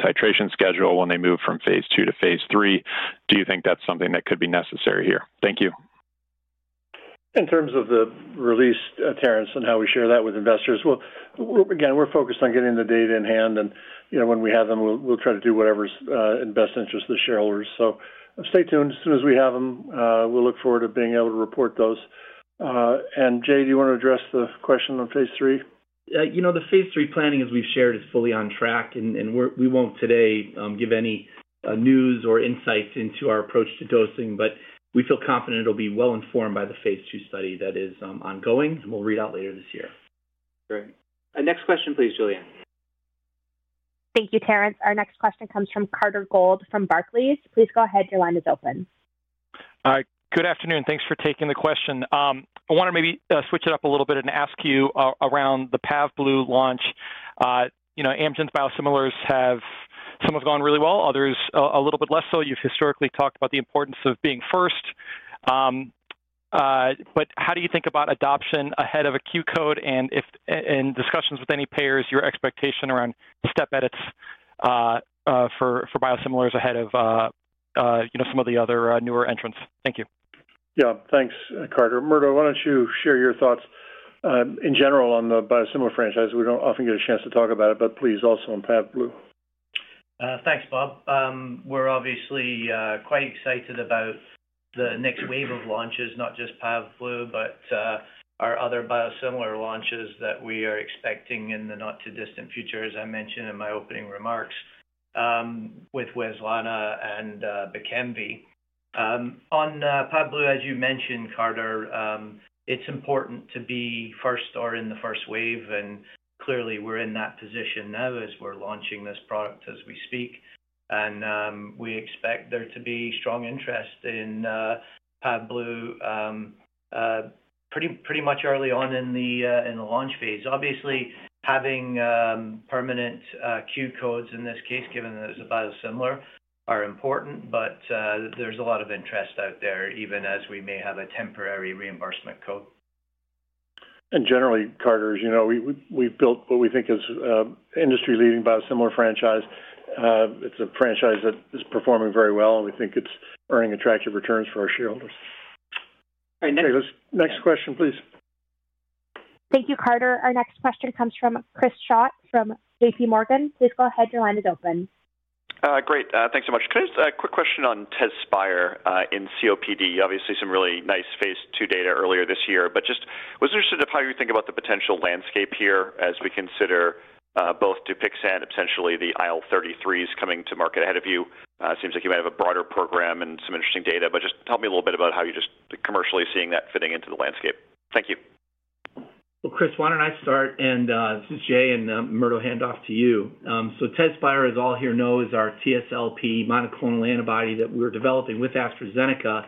titration schedule when they moved from phase II - phase III. Do you think that's something that could be necessary here? Thank you. In terms of the release, Terence, and how we share that with investors, well, again, we're focused on getting the data in hand. When we have them, we'll try to do whatever's in the best interest of the shareholders. Stay tuned. As soon as we have them, we'll look forward to being able to report those. Jay, do you want to address the question on phase III? The phase III planning, as we've shared, is fully on track. And we won't today give any news or insights into our approach to dosing. But we feel confident it'll be well informed by the phase II study that is ongoing. And we'll read out later this year. Great.Next question, please, Julie Ann. Thank you, Terence. Our next question comes from Carter Gould from Barclays. Please go ahead. Your line is open. Good afternoon. Thanks for taking the question. I want to maybe switch it up a little bit and ask you around the Pavblu launch. Amgen's biosimilars have some gone really well, others a little bit less so. You've historically talked about the importance of being first. But how do you think about adoption ahead of a Q code and discussions with any payers, your expectation around step edits for biosimilars ahead of some of the other newer entrants? Thank you. Yeah, thanks, Carter. Murdo, why don't you share your thoughts in general on the biosimilar franchise? We don't often get a chance to talk about it, but please also on Pavblu. Thanks, Bob. We're obviously quite excited about the next wave of launches, not just Pavblu, but our other biosimilar launches that we are expecting in the not-too-distant future, as I mentioned in my opening remarks with Wezlana and Bkemv. On Pavblu, as you mentioned, Carter, it's important to be first or in the first wave. And clearly, we're in that position now as we're launching this product as we speak. And we expect there to be strong interest in Pavblu pretty much early on in the launch phase. Obviously, having permanent Q codes in this case, given that it's a biosimilar, are important. But there's a lot of interest out there, even as we may have a temporary reimbursement code. And generally, Carter, we've built what we think is an industry-leading biosimilar franchise. It's a franchise that is performing very well, and we think it's earning attractive returns for our shareholders. All right, next question, please. Thank you, Carter. Our next question comes from Chris Schott from J.P. Morgan. Please go ahead. Your line is open. Great. Thanks so much. Can I ask a quick question on Tezspire in COPD? Obviously, some really nice phase II data earlier this year. But just was interested in how you think about the potential landscape here as we consider both Dupixent and potentially the IL-33s coming to market ahead of you. It seems like you might have a broader program and some interesting data. But just tell me a little bit about how you're just commercially seeing that fitting into the landscape. Thank you. Well, Chris, why don't I start? This is Jay, and Murdo, hand off to you. Tezspire, as all here know, is our TSLP monoclonal antibody that we're developing with AstraZeneca.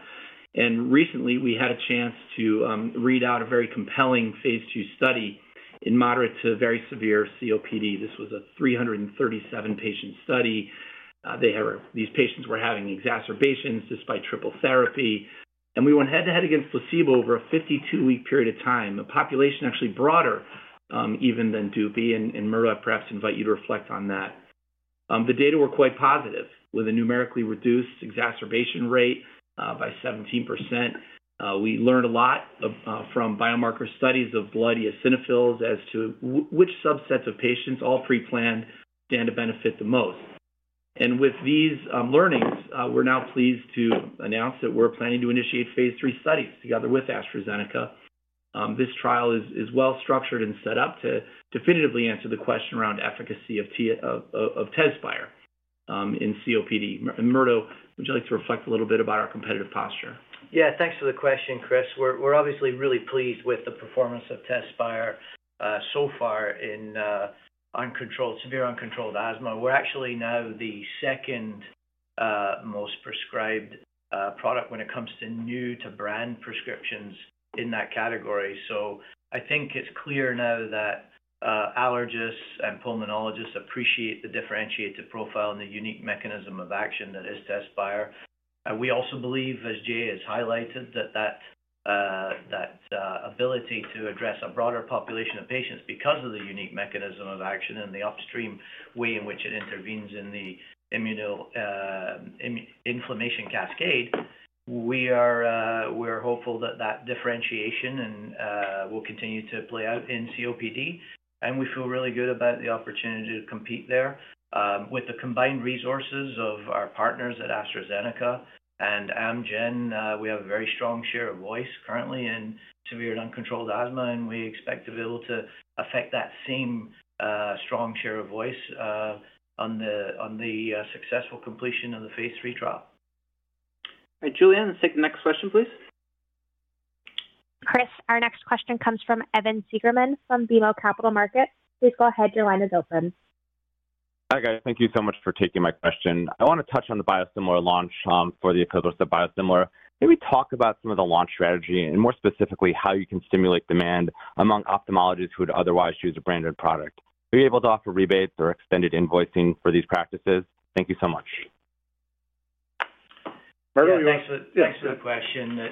Recently, we had a chance to read out a very compelling phase II study in moderate to very severe COPD. This was a 337-patient study. These patients were having exacerbations despite triple therapy. We went head-to-head against placebo over a 52-week period of time, a population actually broader even than Dupi. Murdo, I'd perhaps invite you to reflect on that. The data were quite positive, with a numerically reduced exacerbation rate by 17%. We learned a lot from biomarker studies of blood eosinophils as to which subsets of patients, all pre-planned, stand to benefit the most. With these learnings, we're now pleased to announce that we're planning to initiate phase three studies together with AstraZeneca. This trial is well-structured and set up to definitively answer the question around efficacy of Tezspire in COPD. Murdo, would you like to reflect a little bit about our competitive posture? Yeah, thanks for the question, Chris. We're obviously really pleased with the performance of Tezspire so far in severe uncontrolled asthma. We're actually now the second most prescribed product when it comes to new-to-brand prescriptions in that category. So I think it's clear now that allergists and pulmonologists appreciate the differentiated profile and the unique mechanism of action that is Tezspire. We also believe, as Jay has highlighted, that that ability to address a broader population of patients because of the unique mechanism of action and the upstream way in which it intervenes in the inflammation cascade, we are hopeful that that differentiation will continue to play out in COPD. We feel really good about the opportunity to compete there. With the combined resources of our partners at AstraZeneca and Amgen, we have a very strong share of voice currently in severe uncontrolled asthma. We expect to be able to affect that same strong share of voice on the successful completion of the phase III trial. All right, Julie Ann, next question, please. Chris, our next question comes from Evan Seigerman from BMO Capital Markets. Please go ahead. Your line is open. Hi guys. Thank you so much for taking my question. I want to touch on the biosimilar launch for the Pavblu biosimilar. Can we talk about some of the launch strategy and more specifically how you can stimulate demand among ophthalmologists who would otherwise choose a branded product? Are you able to offer rebates or extended invoicing for these practices? Thank you so much. Murdo, thanks for the question.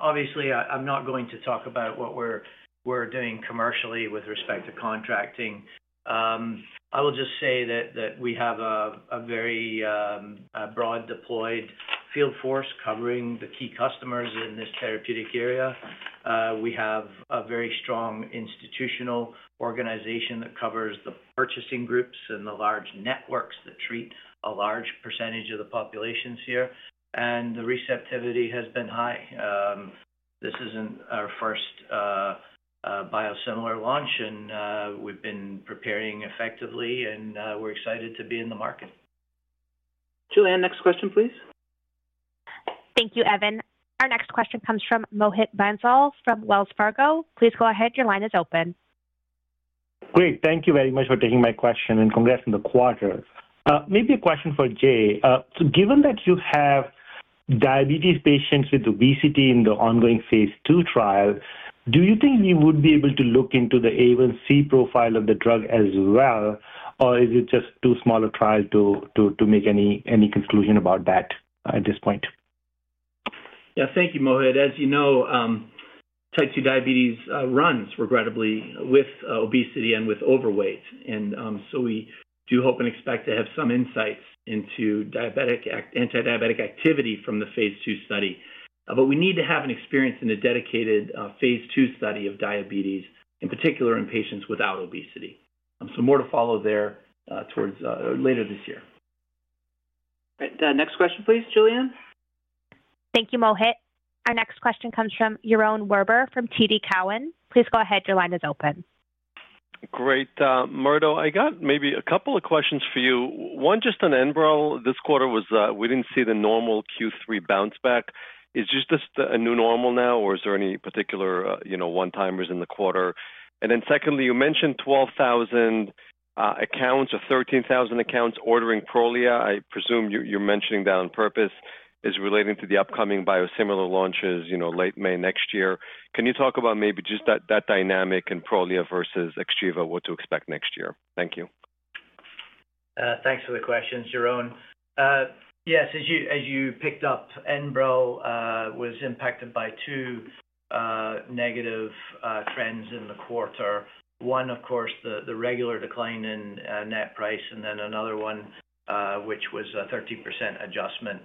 Obviously, I'm not going to talk about what we're doing commercially with respect to contracting. I will just say that we have a very broad deployed field force covering the key customers in this therapeutic area. We have a very strong institutional organization that covers the purchasing groups and the large networks that treat a large percentage of the populations here. And the receptivity has been high. This isn't our first biosimilar launch. And we've been preparing effectively. And we're excited to be in the market. Julie Ann, next question, please. Thank you, Evan. Our next question comes from Mohit Bansal from Wells Fargo. Please go ahead. Your line is open. Great. Thank you very much for taking my question. And congrats on the quarter. Maybe a question for Jay. Given that you have diabetes patients with obesity in the ongoing phase II trial, do you think you would be able to look into the A1C profile of the drug as well? Or is it just too small a trial to make any conclusion about that at this point? Yeah, thank you, Mohit. As you know, type 2 diabetes runs regrettably with obesity and with overweight. And so we do hope and expect to have some insights into anti-diabetic activity from the phase II study. But we need to have an experience in a dedicated phase II study of diabetes, in particular in patients without obesity. So more to follow there towards later this year. All right, next question, please, Julie Ann. Thank you, Mohit. Our next question comes from Yaron Werber from TD Cowen. Please go ahead. Your line is open. Great. Murdo, I got maybe a couple of questions for you. One, just on Enbrel. This quarter, we didn't see the normal Q3 bounce back. Is this just a new normal now? Or is there any particular one-timers in the quarter? And then secondly, you mentioned 12,000 accounts or 13,000 accounts ordering Prolia. I presume you're mentioning that on purpose is relating to the upcoming biosimilar launches late May next year. Can you talk about maybe just that dynamic in Prolia versus Xgeva? What to expect next year? Thank you. Thanks for the questions, Yaron. Yes, as you picked up, Enbrel was impacted by two negative trends in the quarter. One, of course, the regular decline in net price. And then another one, which was a 30% adjustment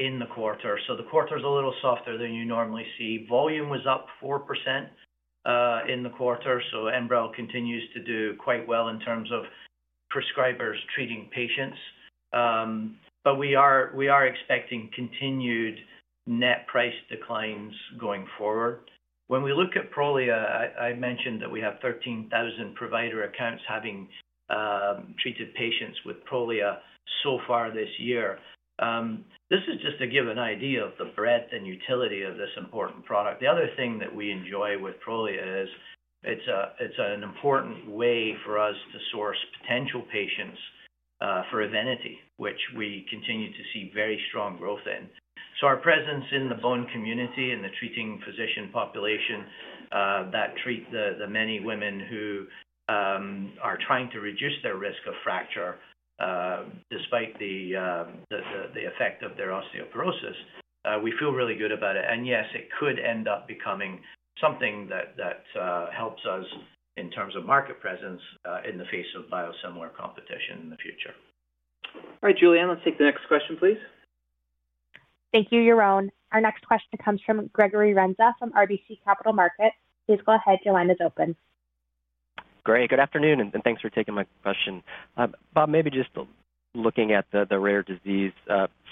in the quarter. So the quarter is a little softer than you normally see. Volume was up 4% in the quarter. Enbrel continues to do quite well in terms of prescribers treating patients. But we are expecting continued net price declines going forward. When we look at Prolia, I mentioned that we have 13,000 provider accounts having treated patients with Prolia so far this year. This is just to give an idea of the breadth and utility of this important product. The other thing that we enjoy with Prolia is it's an important way for us to source potential patients for Evenity, which we continue to see very strong growth in. Our presence in the bone community and the treating physician population that treat the many women who are trying to reduce their risk of fracture despite the effect of their osteoporosis, we feel really good about it. And yes, it could end up becoming something that helps us in terms of market presence in the face of biosimilar competition in the future. All right, Julie Ann, let's take the next question, please. Thank you, Yaron. Our next question comes from Gregory Renza from RBC Capital Markets. Please go ahead. Your line is open. Great. Good afternoon. And thanks for taking my question. Bob, maybe just looking at the rare disease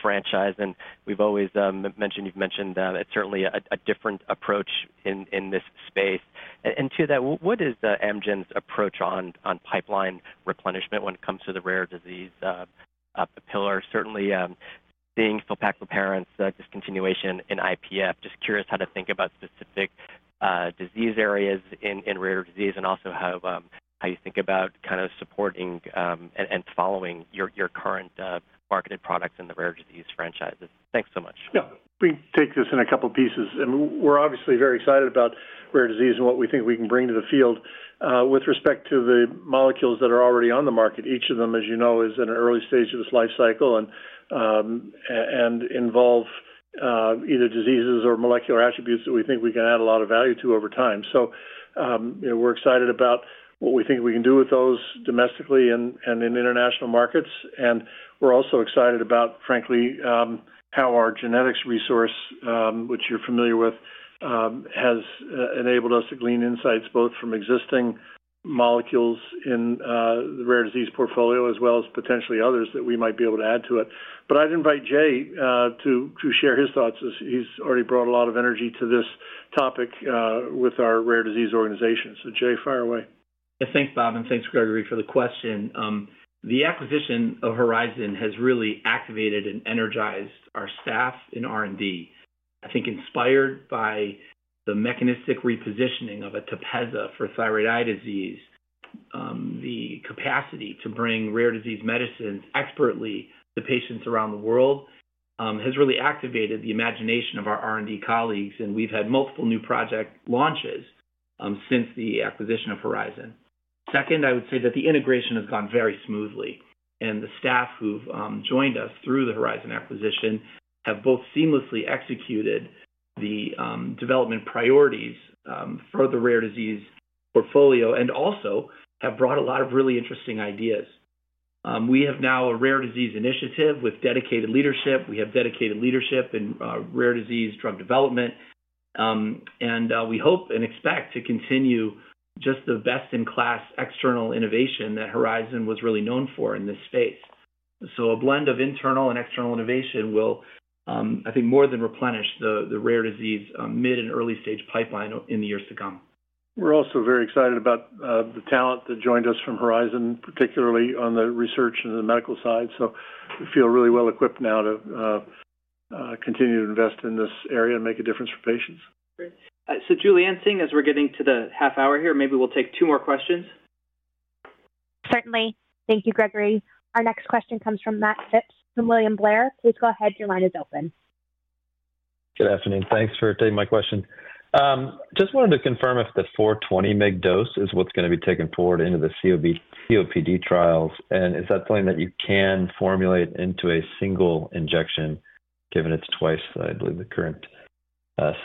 franchise. And we've always mentioned you've mentioned it's certainly a different approach in this space. And to that, what is Amgen's approach on pipeline replenishment when it comes to the rare disease pillar? Certainly, seeing fipaxalparant apparent discontinuation in IPF. Just curious how to think about specific disease areas in rare disease and also how you think about kind of supporting and following your current marketed products in the rare disease franchises. Thanks so much. Yeah, let me take this in a couple of pieces. And we're obviously very excited about rare disease and what we think we can bring to the field with respect to the molecules that are already on the market. Each of them, as you know, is in an early stage of its life cycle and involve either diseases or molecular attributes that we think we can add a lot of value to over time. So we're excited about what we think we can do with those domestically and in international markets. And we're also excited about, frankly, how our genetics resource, which you're familiar with, has enabled us to glean insights both from existing molecules in the rare disease portfolio as well as potentially others that we might be able to add to it. But I'd invite Jay to share his thoughts as he's already brought a lot of energy to this topic with our rare disease organization. So Jay, fire away. Yeah, thanks, Bob. And thanks, Gregory, for the question. The acquisition of Horizon has really activated and energized our staff in R&D. I think inspired by the mechanistic repositioning of Tepezza for thyroid eye disease, the capacity to bring rare disease medicines expertly to patients around the world has really activated the imagination of our R&D colleagues. And we've had multiple new project launches since the acquisition of Horizon. Second, I would say that the integration has gone very smoothly. And the staff who've joined us through the Horizon acquisition have both seamlessly executed the development priorities for the rare disease portfolio and also have brought a lot of really interesting ideas. We have now a rare disease initiative with dedicated leadership. We have dedicated leadership in rare disease drug development. And we hope and expect to continue just the best-in-class external innovation that Horizon was really known for in this space. So a blend of internal and external innovation will, I think, more than replenish the rare disease mid and early stage pipeline in the years to come. We're also very excited about the talent that joined us from Horizon, particularly on the research and the medical side. So we feel really well equipped now to continue to invest in this area and make a difference for patients. So Julie Ann, seeing as we're getting to the half hour here, maybe we'll take two more questions. Certainly. Thank you, Gregory. Our next question comes from Matt Phipps from William Blair. Please go ahead. Your line is open. Good afternoon. Thanks for taking my question. Just wanted to confirm if the 420 mg dose is what's going to be taken forward into the COPD trials. And is that something that you can formulate into a single injection given it's twice, I believe, the current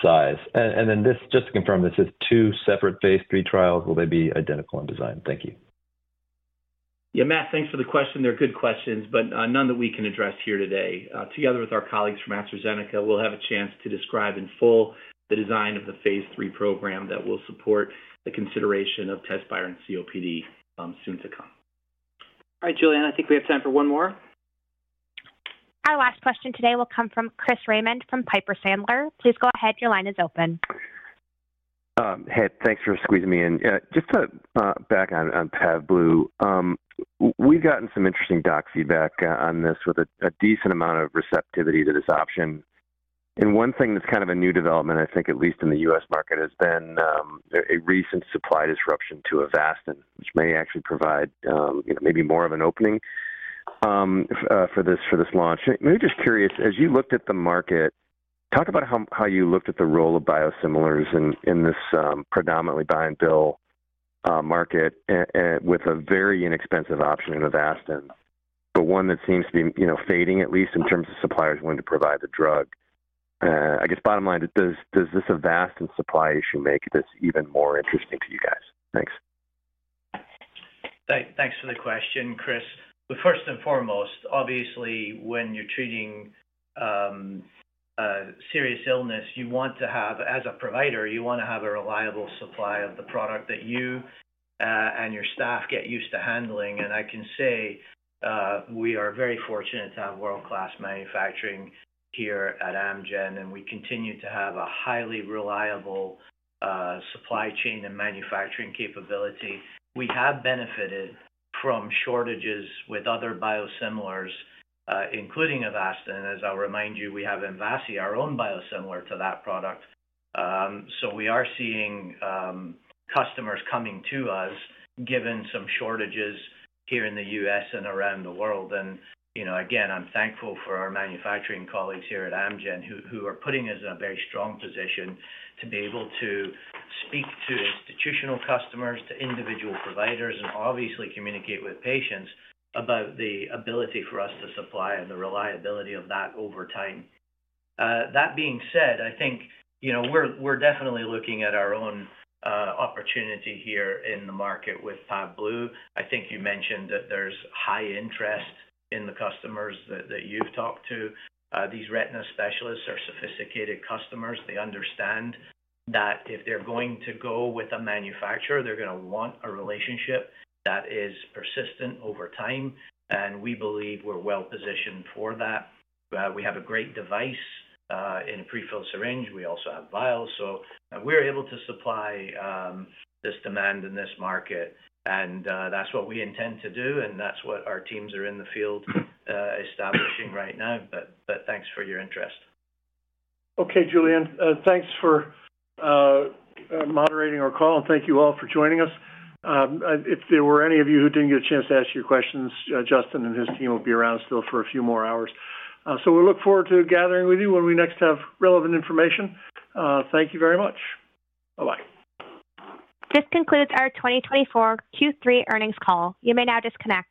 size? And then just to confirm, this is two separate phase III trials. Will they be identical in design? Thank you. Yeah, Matt, thanks for the question. They're good questions, but none that we can address here today. Together with our colleagues from AstraZeneca, we'll have a chance to describe in full the design of the phase III program that will support the consideration of Tezspire and COPD soon to come. All right, Julie Ann, I think we have time for one more. Our last question today will come from Chris Raymond from Piper Sandler. Please go ahead. Your line is open. Hey, thanks for squeezing me in. Just to back on Pavblu, we've gotten some interesting doc feedback on this with a decent amount of receptivity to this option. And one thing that's kind of a new development, I think at least in the U.S. market, has been a recent supply disruption to Avastin, which may actually provide maybe more of an opening for this launch. And we're just curious, as you looked at the market, talk about how you looked at the role of biosimilars in this predominantly buy-and-bill market with a very inexpensive option in Avastin, but one that seems to be fading at least in terms of suppliers willing to provide the drug. I guess bottom line, does this Avastin supply issue make this even more interesting to you guys? Thanks. Thanks for the question, Chris. But first and foremost, obviously, when you're treating serious illness, you want to have, as a provider, you want to have a reliable supply of the product that you and your staff get used to handling. And I can say we are very fortunate to have world-class manufacturing here at Amgen. And we continue to have a highly reliable supply chain and manufacturing capability. We have benefited from shortages with other biosimilars, including Avastin. As I'll remind you, we have Mvasi, our own biosimilar to that product. So we are seeing customers coming to us given some shortages here in the U.S. and around the world. And again, I'm thankful for our manufacturing colleagues here at Amgen who are putting us in a very strong position to be able to speak to institutional customers, to individual providers, and obviously communicate with patients about the ability for us to supply and the reliability of that over time. That being said, I think we're definitely looking at our own opportunity here in the market with Pavblu. I think you mentioned that there's high interest in the customers that you've talked to. These retina specialists are sophisticated customers. They understand that if they're going to go with a manufacturer, they're going to want a relationship that is persistent over time. And we believe we're well positioned for that. We have a great device in a prefilled syringe. We also have vials. So we're able to supply this demand in this market. And that's what we intend to do. And that's what our teams are in the field establishing right now. But thanks for your interest. Okay, Julie Ann, thanks for moderating our call. And thank you all for joining us. If there were any of you who didn't get a chance to ask your questions, Justin and his team will be around still for a few more hours. So we look forward to gathering with you when we next have relevant information. Thank you very much. Bye-bye. This concludes our 2024 Q3 earnings call. You may now disconnect.